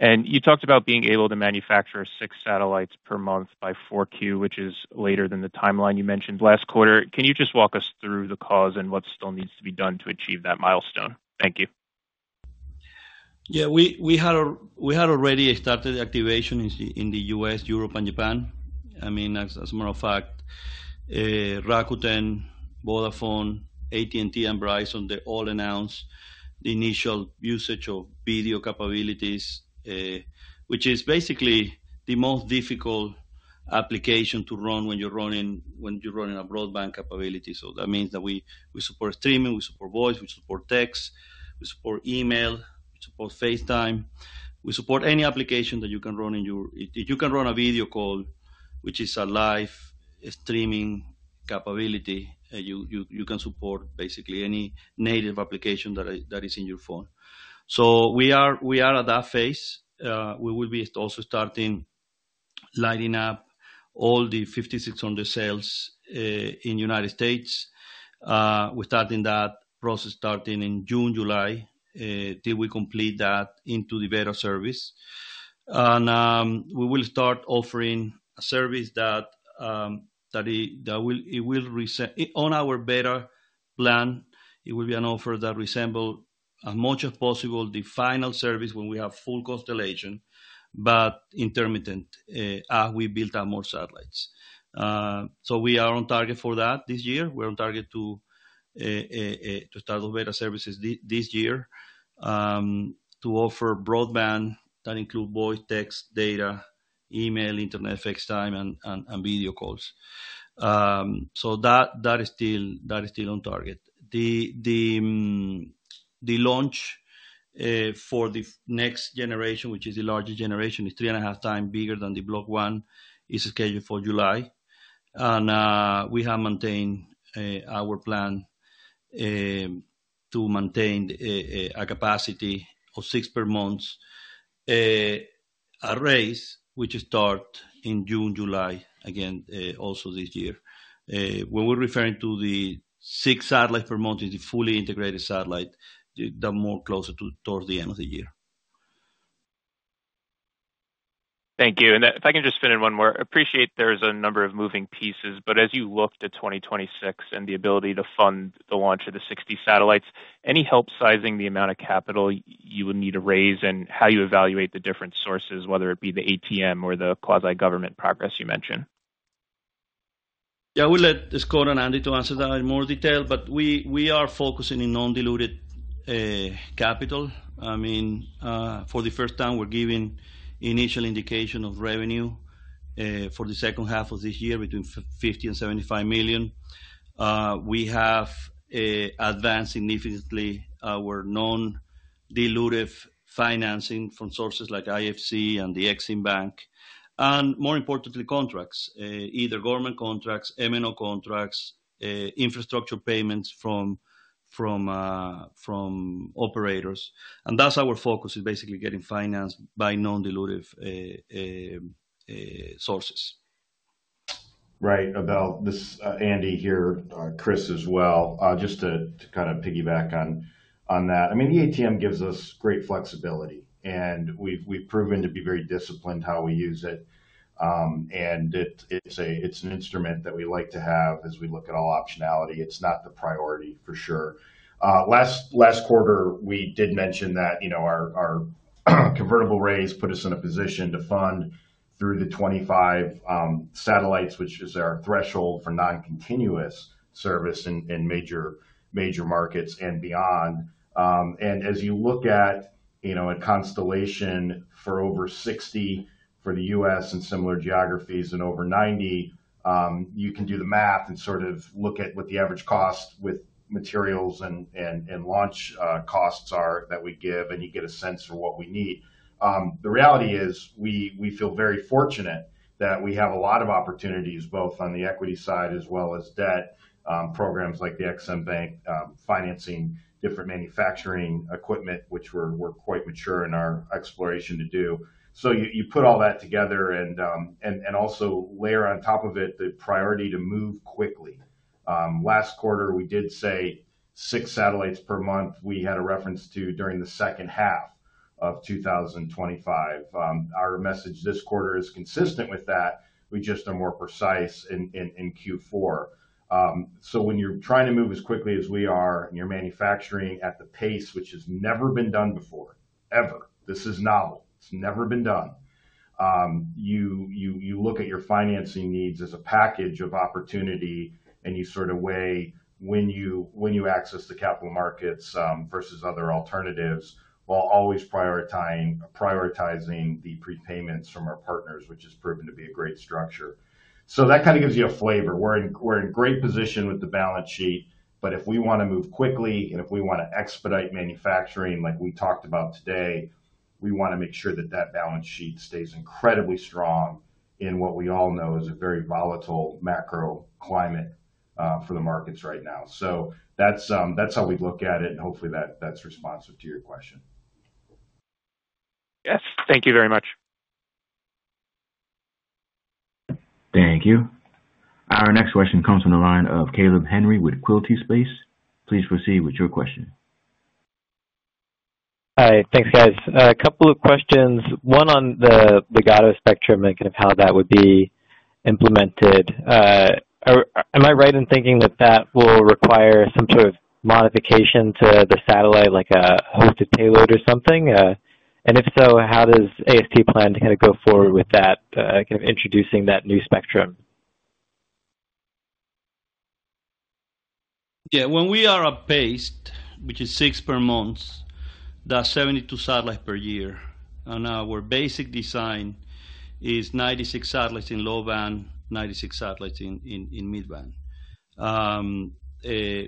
You talked about being able to manufacture six satellites per month by 4Q, which is later than the timeline you mentioned last quarter. Can you just walk us through the cause and what still needs to be done to achieve that milestone? Thank you. Yeah. We had already started activation in the U.S., Europe, and Japan. I mean, as a matter of fact, Rakuten, Vodafone, AT&T, and Verizon all announced the initial usage of video capabilities, which is basically the most difficult application to run when you're running a broadband capability. That means that we support streaming. We support voice. We support text. We support email. We support FaceTime. We support any application that you can run in your, you can run a video call, which is a live streaming capability. You can support basically any native application that is in your phone. So we are at that phase. We will be also starting lighting up all the 5,600 cells in the United States. We're starting that process starting in June, July. We complete that into the beta service. We will start offering a service that it will reset on our beta plan. It will be an offer that resembles as much as possible the final service when we have full constellation, but intermittent as we build out more satellites. We are on target for that this year. We're on target to start those beta services this year to offer broadband that includes voice, text, data, email, internet, effects time, and video calls. That is still on target. The launch for the next generation, which is the largest generation, is three and a half times bigger than the Block 1. It is scheduled for July. We have maintained our plan to maintain a capacity of six per month, a rate which starts in June, July, again, also this year. When we are referring to the six satellites per month, it is a fully integrated satellite that is more closer towards the end of the year. Thank you. If I can just fit in one more. I appreciate there is a number of moving pieces, but as you look to 2026 and the ability to fund the launch of the 60 satellites, any help sizing the amount of capital you would need to raise and how you evaluate the different sources, whether it be the ATM or the quasi-government progress you mentioned? Yeah. I will let Scott Searle and Andy answer that in more detail, but we are focusing on non-dilutive capital. I mean, for the first time, we're giving initial indication of revenue for the second half of this year between $50 million and $75 million. We have advanced significantly our non-dilutive financing from sources like IFC and the Exim Bank. More importantly, contracts, either government contracts, MNO contracts, infrastructure payments from operators. That is our focus, is basically getting financed by non-dilutive sources. Right. Abel, this is Andy here, Chris as well. Just to kind of piggyback on that. I mean, the ATM gives us great flexibility, and we've proven to be very disciplined how we use it. It is an instrument that we like to have as we look at all optionality. It is not the priority for sure. Last quarter, we did mention that our convertible raise put us in a position to fund through the 25 satellites, which is our threshold for non-continuous service in major markets and beyond. As you look at a constellation for over 60 for the U.S. and similar geographies and over 90, you can do the math and sort of look at what the average cost with materials and launch costs are that we give, and you get a sense for what we need. The reality is we feel very fortunate that we have a lot of opportunities both on the equity side as well as debt programs like the Exim Bank financing different manufacturing equipment, which we're quite mature in our exploration to do. You put all that together and also layer on top of it the priority to move quickly. Last quarter, we did say six satellites per month. We had a reference to during the second half of 2025. Our message this quarter is consistent with that. We just are more precise in Q4. When you're trying to move as quickly as we are and you're manufacturing at the pace, which has never been done before, ever, this is novel. It's never been done. You look at your financing needs as a package of opportunity, and you sort of weigh when you access the capital markets versus other alternatives while always prioritizing the prepayments from our partners, which has proven to be a great structure. That kind of gives you a flavor. We're in great position with the balance sheet, but if we want to move quickly and if we want to expedite manufacturing like we talked about today, we want to make sure that that balance sheet stays incredibly strong in what we all know is a very volatile macro climate for the markets right now. That's how we look at it, and hopefully that's responsive to your question. Yes. Thank you very much. Thank you. Our next question comes from the line of Caleb Henry with Quilty Space. Please proceed with your question. Hi. Thanks, guys. A couple of questions. One on the Ligado spectrum and kind of how that would be implemented. Am I right in thinking that that will require some sort of modification to the satellite, like a hosted payload or something? If so, how does AST plan to kind of go forward with that, kind of introducing that new spectrum? Yeah. When we are at base, which is six per month, that's 72 satellites per year. Our basic design is 96 satellites in low band, 96 satellites in mid band.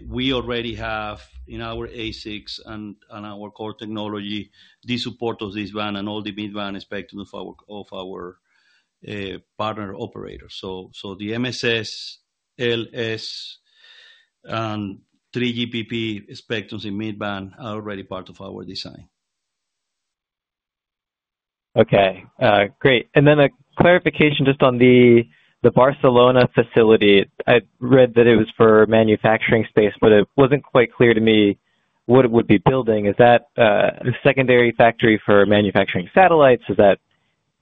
We already have in our ASICs and our core technology the support of this band and all the mid band spectrum of our partner operators. The MSS, LS, and 3GPP spectrums in mid band are already part of our design. Okay. Great. A clarification just on the Barcelona facility. I read that it was for manufacturing space, but it was not quite clear to me what it would be building. Is that a secondary factory for manufacturing satellites? Is that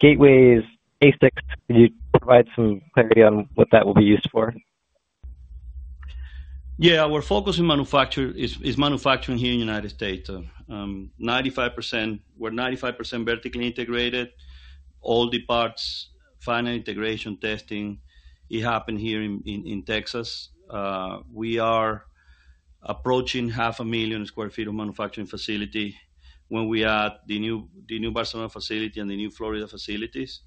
gateways, ASICs? Could you provide some clarity on what that will be used for? Yeah. Our focus is manufacturing here in the United States. We're 95% vertically integrated. All the parts, final integration, testing, it happened here in Texas. We are approaching 500,000 sq ft of manufacturing facility when we add the new Barcelona facility and the new Florida facilities.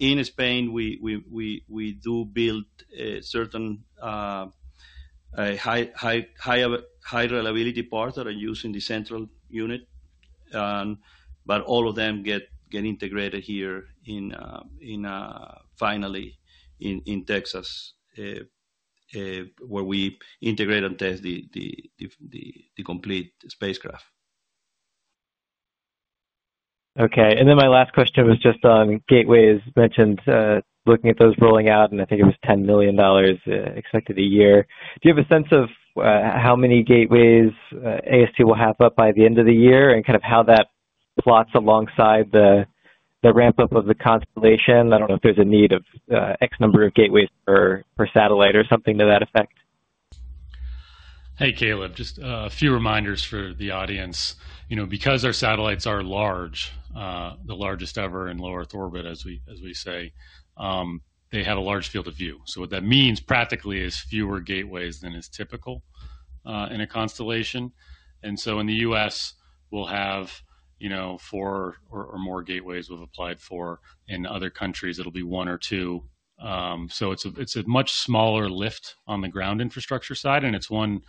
In Spain, we do build certain high-reliability parts that are used in the central unit, but all of them get integrated here finally in Texas where we integrate and test the complete spacecraft. Okay. My last question was just on gateways. You mentioned looking at those rolling out, and I think it was $10 million expected a year. Do you have a sense of how many gateways AST will have up by the end of the year and kind of how that plots alongside the ramp-up of the constellation? I don't know if there's a need of X number of gateways per satellite or something to that effect. Hey, Caleb, just a few reminders for the audience. Because our satellites are large, the largest ever in low Earth orbit, as we say, they have a large field of view. What that means practically is fewer gateways than is typical in a constellation. In the U.S., we'll have four or more gateways we've applied for. In other countries, it'll be one or two. It's a much smaller lift on the ground infrastructure side, and it's one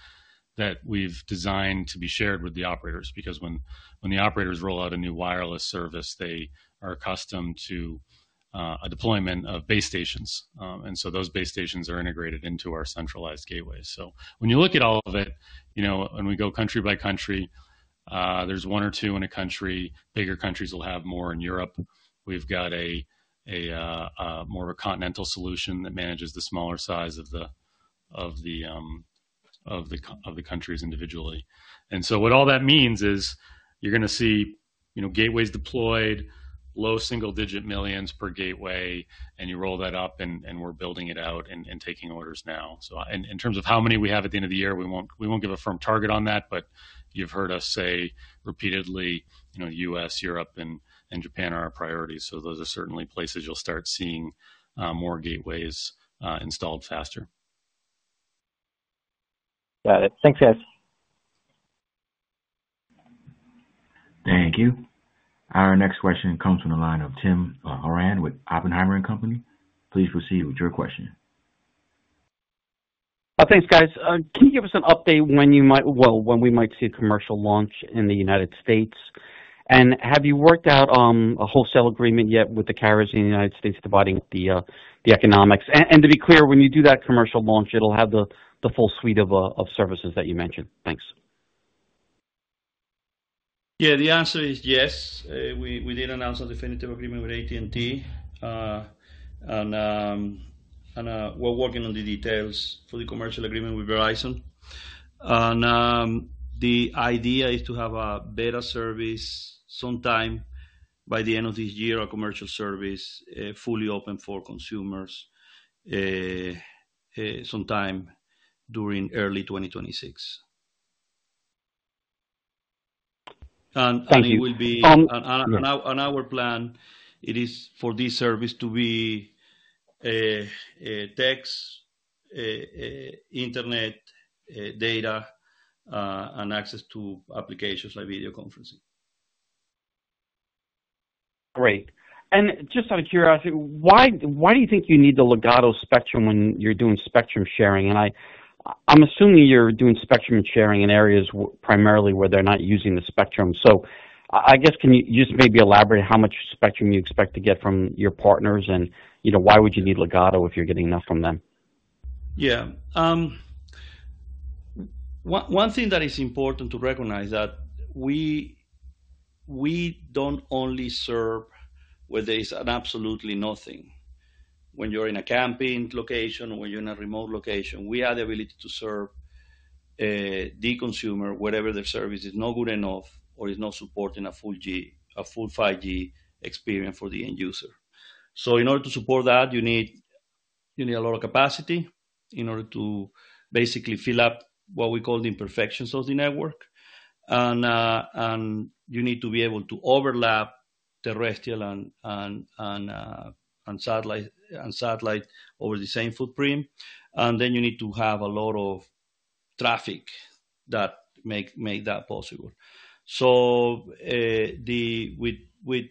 that we've designed to be shared with the operators. When the operators roll out a new wireless service, they are accustomed to a deployment of base stations. Those base stations are integrated into our centralized gateways. When you look at all of it, when we go country by country, there's one or two in a country. Bigger countries will have more. In Europe, we've got more of a continental solution that manages the smaller size of the countries individually. What all that means is you're going to see gateways deployed, low single-digit millions per gateway, and you roll that up, and we're building it out and taking orders now. In terms of how many we have at the end of the year, we won't give a firm target on that, but you've heard us say repeatedly U.S., Europe, and Japan are our priorities. Those are certainly places you'll start seeing more gateways installed faster. Got it. Thanks, guys. Thank you. Our next question comes from the line of Tim Horan with Oppenheimer & Company. Please proceed with your question. Thanks, guys. Can you give us an update when we might see a commercial launch in the United States? Have you worked out a wholesale agreement yet with the carriers in the United States dividing the economics? To be clear, when you do that commercial launch, it will have the full suite of services that you mentioned. Thanks. Yeah. The answer is yes. We did announce a definitive agreement with AT&T, and we are working on the details for the commercial agreement with Verizon. The idea is to have a beta service sometime by the end of this year, a commercial service fully open for consumers sometime during early 2026. It will be on our plan, it is for this service to be text, internet, data, and access to applications like video conferencing. Great. Just out of curiosity, why do you think you need the Ligado spectrum when you're doing spectrum sharing? I'm assuming you're doing spectrum sharing in areas primarily where they're not using the spectrum. I guess, can you just maybe elaborate how much spectrum you expect to get from your partners? Why would you need Ligado if you're getting enough from them? Yeah. One thing that is important to recognize is that we don't only serve where there is absolutely nothing. When you're in a camping location or when you're in a remote location, we have the ability to serve the consumer wherever their service is not good enough or is not supporting a full 5G experience for the end user. In order to support that, you need a lot of capacity in order to basically fill up what we call the imperfections of the network. You need to be able to overlap terrestrial and satellite over the same footprint. You need to have a lot of traffic that makes that possible. With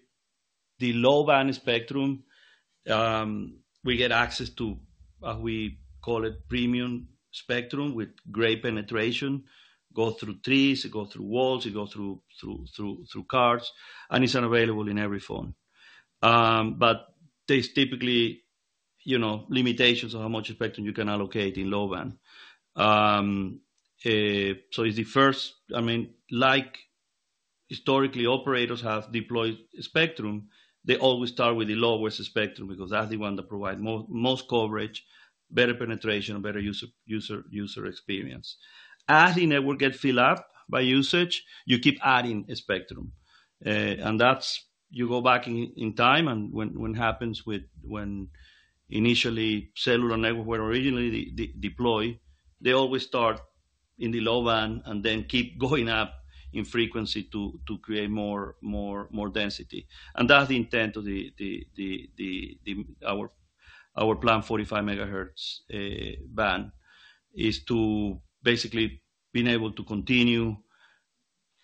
the low band spectrum, we get access to what we call a premium spectrum with great penetration. It goes through trees. It goes through walls. It goes through cars. It is available in every phone. There are typically limitations on how much spectrum you can allocate in low band. It is the first, I mean, like historically, operators have deployed spectrum, they always start with the lowest spectrum because that is the one that provides most coverage, better penetration, better user experience. As the network gets filled up by usage, you keep adding spectrum. You go back in time, and when it happens with when initially cellular networks were originally deployed, they always start in the low band and then keep going up in frequency to create more density. That's the intent of our plan, 45 MHz band, is to basically be able to continue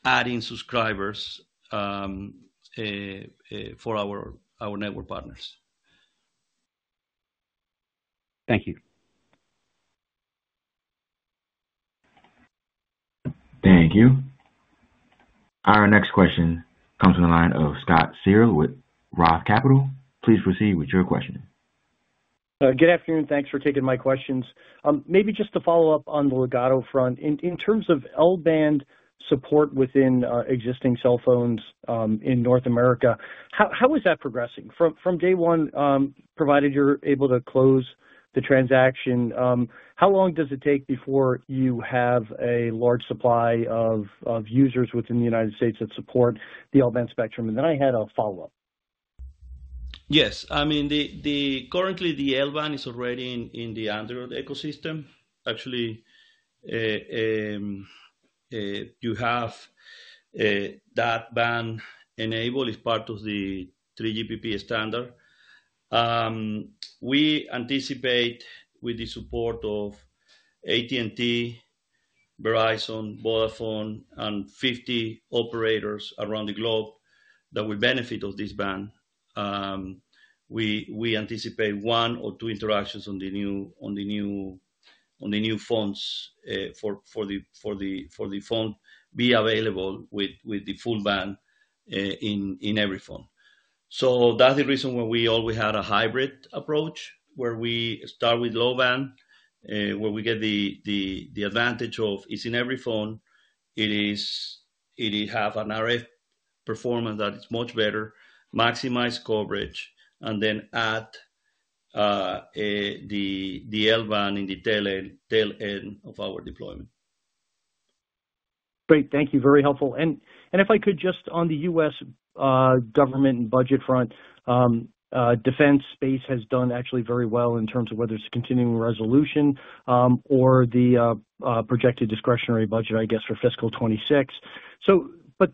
adding subscribers for our network partners. Thank you. Thank you. Our next question comes from the line of Scott Searle with Roth Capital. Please proceed with your question. Good afternoon. Thanks for taking my questions. Maybe just to follow up on the Ligado front. In terms of L-band support within existing cell phones in North America, how is that progressing? From day one, provided you're able to close the transaction, how long does it take before you have a large supply of users within the United States that support the L-band spectrum? Yes. I mean, currently, the L-band is already in the Android ecosystem. Actually, you have that band enabled as part of the 3GPP standard. We anticipate, with the support of AT&T, Verizon, Vodafone, and 50 operators around the globe that will benefit from this band. We anticipate one or two interactions on the new phones for the phone be available with the full band in every phone. That is the reason why we always had a hybrid approach where we start with low band, where we get the advantage of it's in every phone. It has an RF performance that is much better, maximize coverage, and then add the L-band in the tail end of our deployment. Great. Thank you. Very helpful. If I could, just on the U.S. government and budget front, defense space has done actually very well in terms of whether it's continuing resolution or the projected discretionary budget, I guess, for fiscal 2026.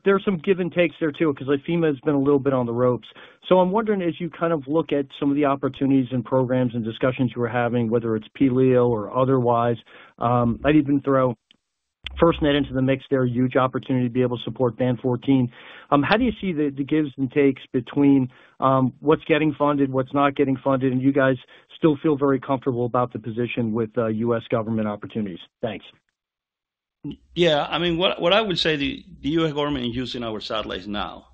There are some give and takes there too because FEMA has been a little bit on the ropes. I'm wondering, as you kind of look at some of the opportunities and programs and discussions you were having, whether it's [PLEO] or otherwise, I'd even throw FirstNet into the mix. They're a huge opportunity to be able to support Band 14. How do you see the gives and takes between what's getting funded, what's not getting funded, and you guys still feel very comfortable about the position with U.S. government opportunities? Thanks. Yeah. I mean, what I would say, the U.S. government is using our satellites now.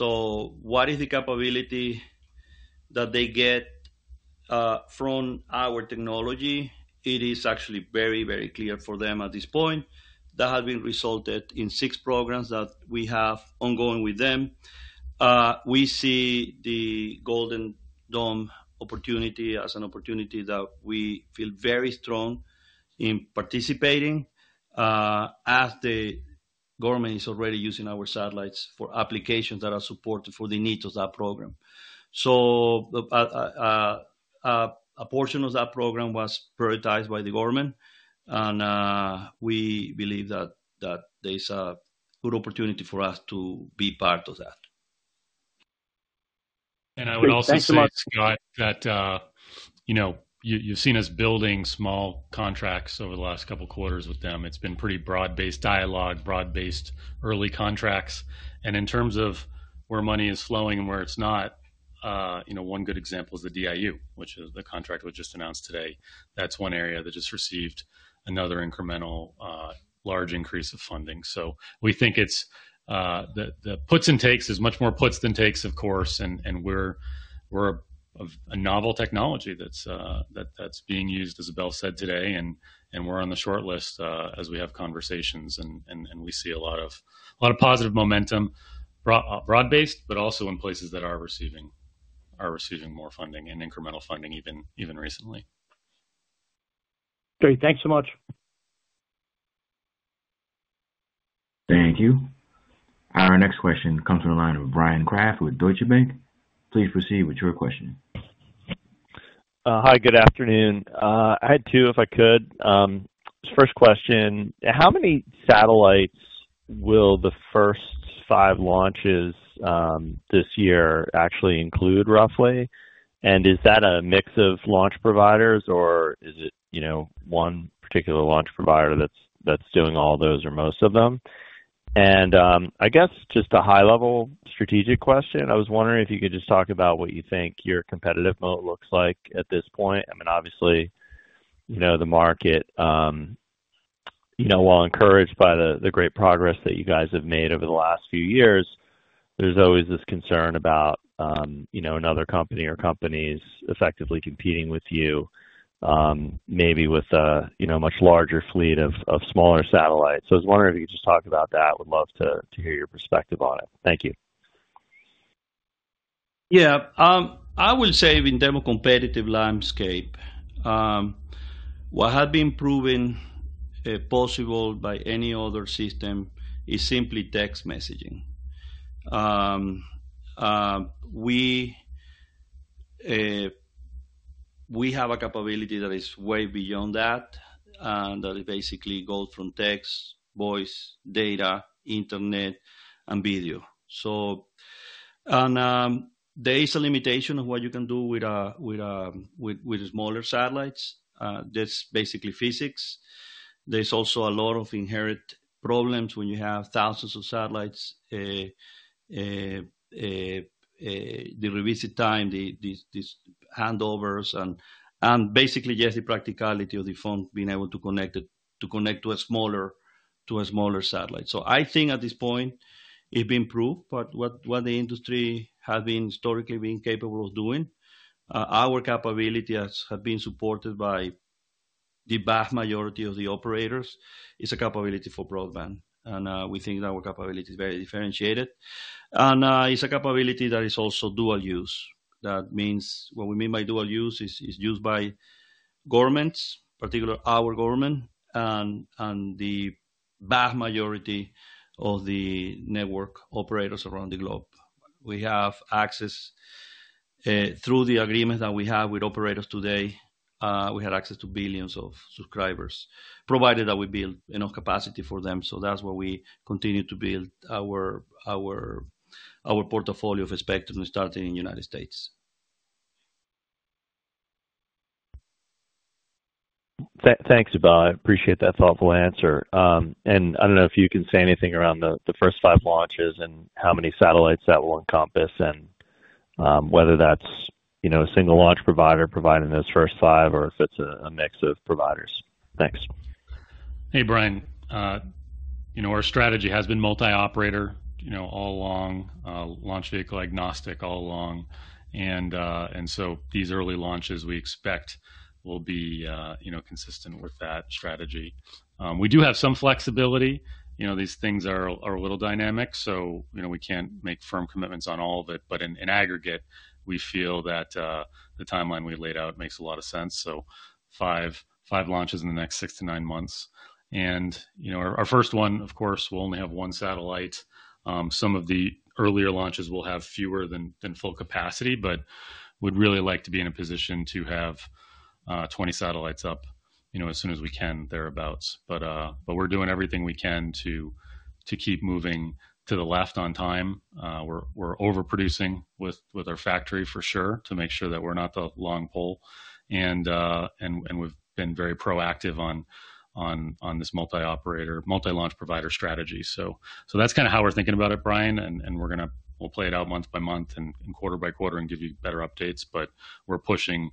What is the capability that they get from our technology? It is actually very, very clear for them at this point. That has resulted in six programs that we have ongoing with them. We see the Golden Dome opportunity as an opportunity that we feel very strong in participating in as the government is already using our satellites for applications that are supported for the needs of that program. A portion of that program was prioritized by the government, and we believe that there is a good opportunity for us to be part of that. I would also say, Scott, that you have seen us building small contracts over the last couple of quarters with them. It has been pretty broad-based dialogue, broad-based early contracts. In terms of where money is flowing and where it's not, one good example is the DIU, which is the contract we just announced today. That's one area that just received another incremental large increase of funding. We think the puts and takes is much more puts than takes, of course, and we're a novel technology that's being used, as Abel said today, and we're on the shortlist as we have conversations, and we see a lot of positive momentum broad-based, but also in places that are receiving more funding and incremental funding even recently. Great. Thanks so much. Thank you. Our next question comes from the line of Bryan Kraft with Deutsche Bank. Please proceed with your question. Hi. Good afternoon. I had two, if I could. First question, how many satellites will the first five launches this year actually include roughly? Is that a mix of launch providers, or is it one particular launch provider that's doing all those or most of them? I guess just a high-level strategic question. I was wondering if you could just talk about what you think your competitive moat looks like at this point. I mean, obviously, the market, while encouraged by the great progress that you guys have made over the last few years, there's always this concern about another company or companies effectively competing with you, maybe with a much larger fleet of smaller satellites. I was wondering if you could just talk about that. Would love to hear your perspective on it. Thank you. Yeah. I would say in a democratic landscape, what has been proven possible by any other system is simply text messaging. We have a capability that is way beyond that, and that basically goes from text, voice, data, internet, and video. There is a limitation of what you can do with smaller satellites. That is basically physics. There are also a lot of inherent problems when you have thousands of satellites, the revisit time, these handovers, and basically, just the practicality of the phone being able to connect to a smaller satellite. I think at this point, it has been proved what the industry has been historically capable of doing. Our capability has been supported by the vast majority of the operators. It is a capability for broadband. We think that our capability is very differentiated. It is a capability that is also dual-use. What we mean by dual-use is used by governments, particularly our government, and the vast majority of the network operators around the globe. We have access through the agreement that we have with operators today. We have access to billions of subscribers, provided that we build enough capacity for them. That is why we continue to build our portfolio of spectrum starting in the United States. Thanks, Abel. I appreciate that thoughtful answer. I do not know if you can say anything around the first five launches and how many satellites that will encompass, and whether that is a single launch provider providing those first five or if it is a mix of providers. Thanks. Hey, Brian. Our strategy has been multi-operator all along, launch vehicle agnostic all along. These early launches we expect will be consistent with that strategy. We do have some flexibility. These things are a little dynamic, so we cannot make firm commitments on all of it. In aggregate, we feel that the timeline we laid out makes a lot of sense. Five launches in the next six to nine months. Our first one, of course, will only have one satellite. Some of the earlier launches will have fewer than full capacity, but we'd really like to be in a position to have 20 satellites up as soon as we can, thereabouts. We're doing everything we can to keep moving to the left on time. We're overproducing with our factory, for sure, to make sure that we're not the long pole. We've been very proactive on this multi-operator, multi-launch provider strategy. That's kind of how we're thinking about it, Brian. We're going to play it out month by month and quarter by quarter and give you better updates. We're pushing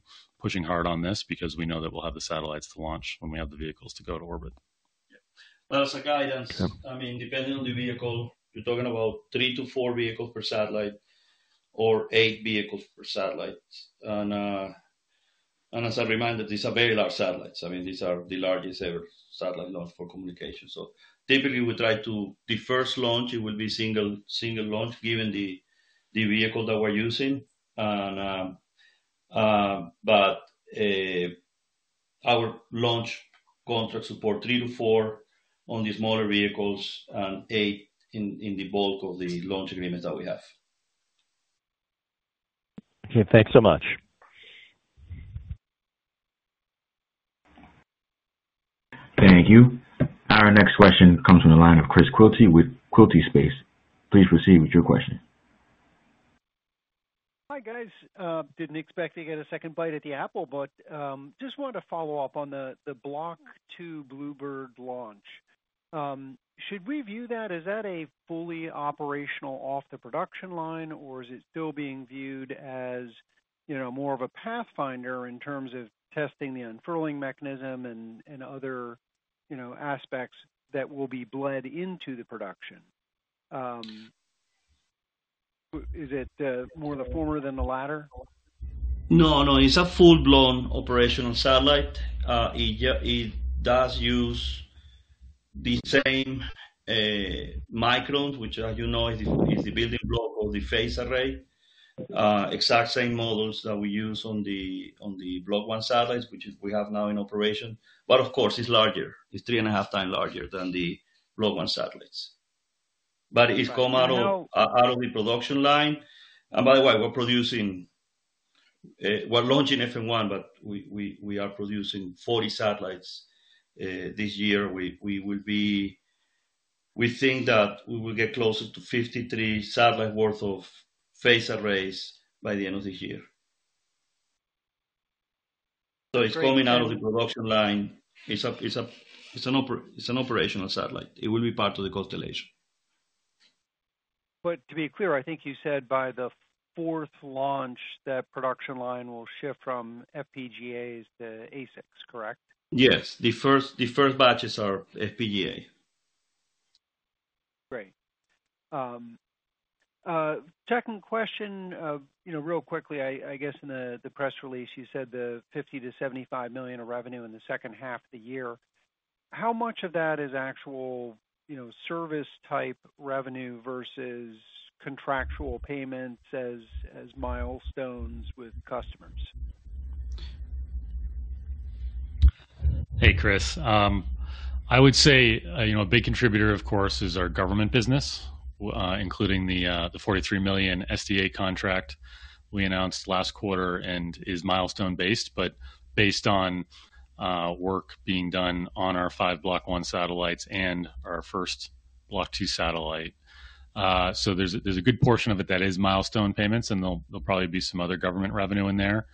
hard on this because we know that we'll have the satellites to launch when we have the vehicles to go to orbit. That's a guidance. I mean, depending on the vehicle, you're talking about three to four vehicles per satellite or eight vehicles per satellite. As a reminder, these are very large satellites. I mean, these are the largest ever satellite launch for communications. Typically, we try to the first launch, it will be single launch given the vehicle that we're using. Our launch contract supports three to four on the smaller vehicles and eight in the bulk of the launch agreement that we have. Okay. Thanks so much. Thank you. Our next question comes from the line of Chris Quilty with Quilty Space. Please proceed with your question. Hi, guys. Didn't expect to get a second bite at the apple, but just wanted to follow up on the Block 2 BlueBird launch. Should we view that as a fully operational off-the-production line, or is it still being viewed as more of a pathfinder in terms of testing the unfurling mechanism and other aspects that will be bled into the production? Is it more the former than the latter? No, no. It's a full-blown operational satellite. It does use the same microns, which, as you know, is the building block of the phased array. Exact same models that we use on the Block 1 satellites, which we have now in operation. Of course, it's larger. It's three and a half times larger than the Block 1 satellites. It's come out of the production line. By the way, we're launching FM1, but we are producing 40 satellites this year. We think that we will get closer to 53 satellites' worth of phased arrays by the end of this year. It is coming out of the production line. It is an operational satellite. It will be part of the constellation. To be clear, I think you said by the fourth launch that production line will shift from FPGAs to ASICs, correct? Yes. The first batches are FPGA. Great. Second question, real quickly, I guess in the press release, you said the $50 million-$75 million of revenue in the second half of the year. How much of that is actual service-type revenue versus contractual payments as milestones with customers? Hey, Chris. I would say a big contributor, of course, is our government business, including the $43 million SDA contract we announced last quarter and is milestone-based, but based on work being done on our five Block 1 satellites and our first Block 2 satellite. There is a good portion of it that is milestone payments, and there will probably be some other government revenue in there.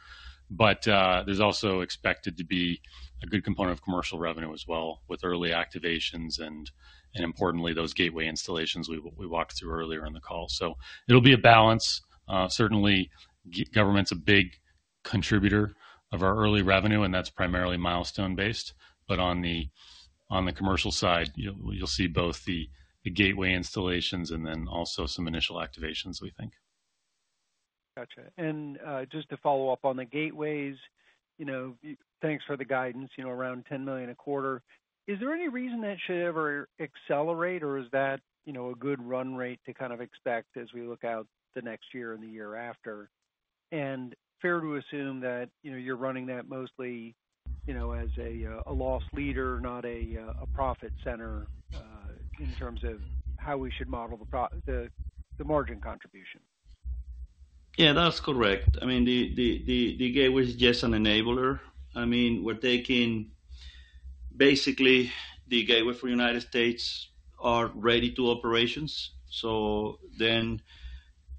There is also expected to be a good component of commercial revenue as well with early activations and, importantly, those gateway installations we walked through earlier in the call. It will be a balance. Certainly, government is a big contributor of our early revenue, and that is primarily milestone-based. On the commercial side, you will see both the gateway installations and then also some initial activations, we think. Gotcha. Just to follow up on the gateways, thanks for the guidance around $10 million a quarter. Is there any reason that should ever accelerate, or is that a good run rate to kind of expect as we look out the next year and the year after? Fair to assume that you're running that mostly as a loss leader, not a profit center in terms of how we should model the margin contribution. Yeah, that's correct. I mean, the gateway is just an enabler. I mean, we're taking basically the gateway for the United States are ready-to-operations. The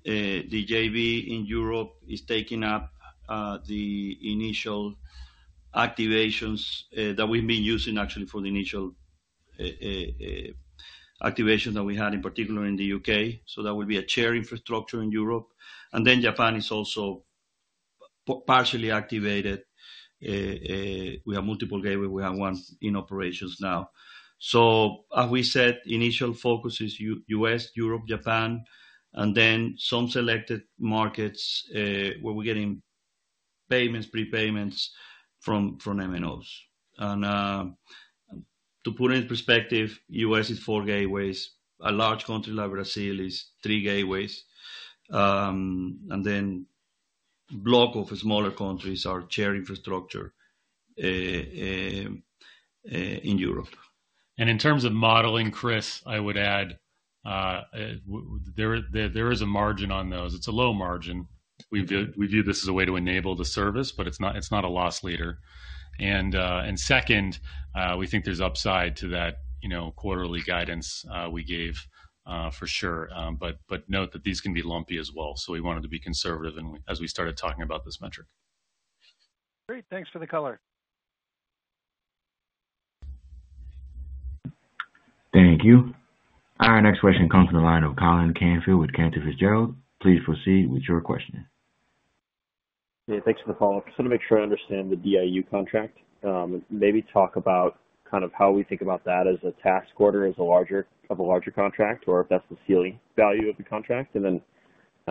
JV in Europe is taking up the initial activations that we've been using actually for the initial activation that we had, in particular, in the U.K. That will be a shared infrastructure in Europe. Japan is also partially activated. We have multiple gateways. We have one in operations now. As we said, initial focus is U.S., Europe, Japan, and then some selected markets where we're getting payments, prepayments from MNOs. To put it in perspective, U.S. is four gateways. A large country like Brazil is three gateways. Then a block of smaller countries are shared infrastructure in Europe. In terms of modeling, Chris, I would add there is a margin on those. It's a low margin. We view this as a way to enable the service, but it's not a loss leader. Second, we think there's upside to that quarterly guidance we gave, for sure. Note that these can be lumpy as well. We wanted to be conservative as we started talking about this metric. Great. Thanks for the color. Thank you. Our next question comes from the line of Colin Canfield with Cantor Fitzgerald. Please proceed with your question. Hey, thanks for the follow-up. I just want to make sure I understand the DIU contract. Maybe talk about kind of how we think about that as a task order of a larger contract or if that's the ceiling value of the contract.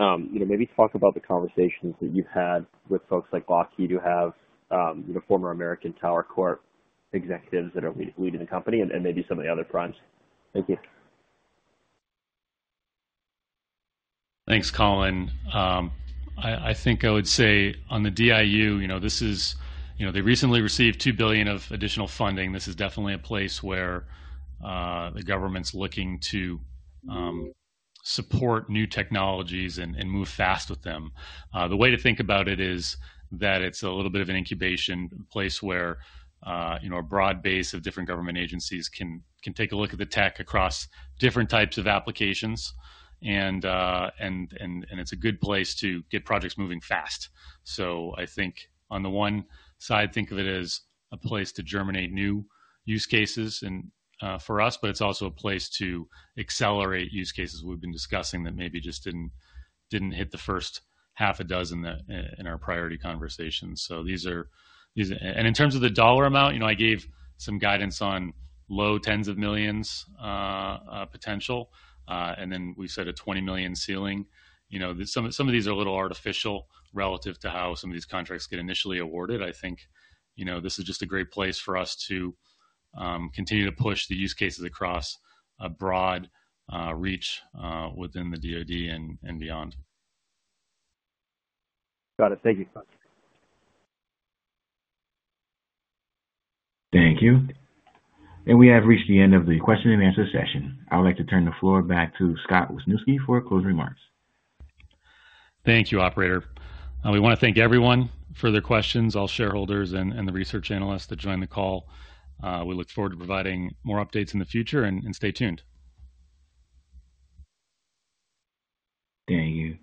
Maybe talk about the conversations that you've had with folks like Block 2 that have former American Tower executives that are leading the company and maybe some of the other primes. Thank you. Thanks, Colin. I think I would say on the DIU, this is they recently received $2 billion of additional funding. This is definitely a place where the government's looking to support new technologies and move fast with them. The way to think about it is that it's a little bit of an incubation place where a broad base of different government agencies can take a look at the tech across different types of applications. It's a good place to get projects moving fast. I think on the one side, think of it as a place to germinate new use cases for us, but it's also a place to accelerate use cases we've been discussing that maybe just didn't hit the first half a dozen in our priority conversations. These are, and in terms of the dollar amount, I gave some guidance on low tens of millions potential. We set a $20 million ceiling. Some of these are a little artificial relative to how some of these contracts get initially awarded. I think this is just a great place for us to continue to push the use cases across a broad reach within the DOD and beyond. Got it. Thank you. Thank you. We have reached the end of the question and answer session. I would like to turn the floor back to Scott Wisniewski for closing remarks. Thank you, Operator. We want to thank everyone for their questions, all shareholders, and the research analysts that joined the call. We look forward to providing more updates in the future, and stay tuned. Thank you.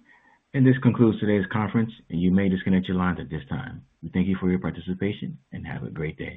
This concludes today's conference, and you may disconnect your lines at this time. Thank you for your participation, and have a great day.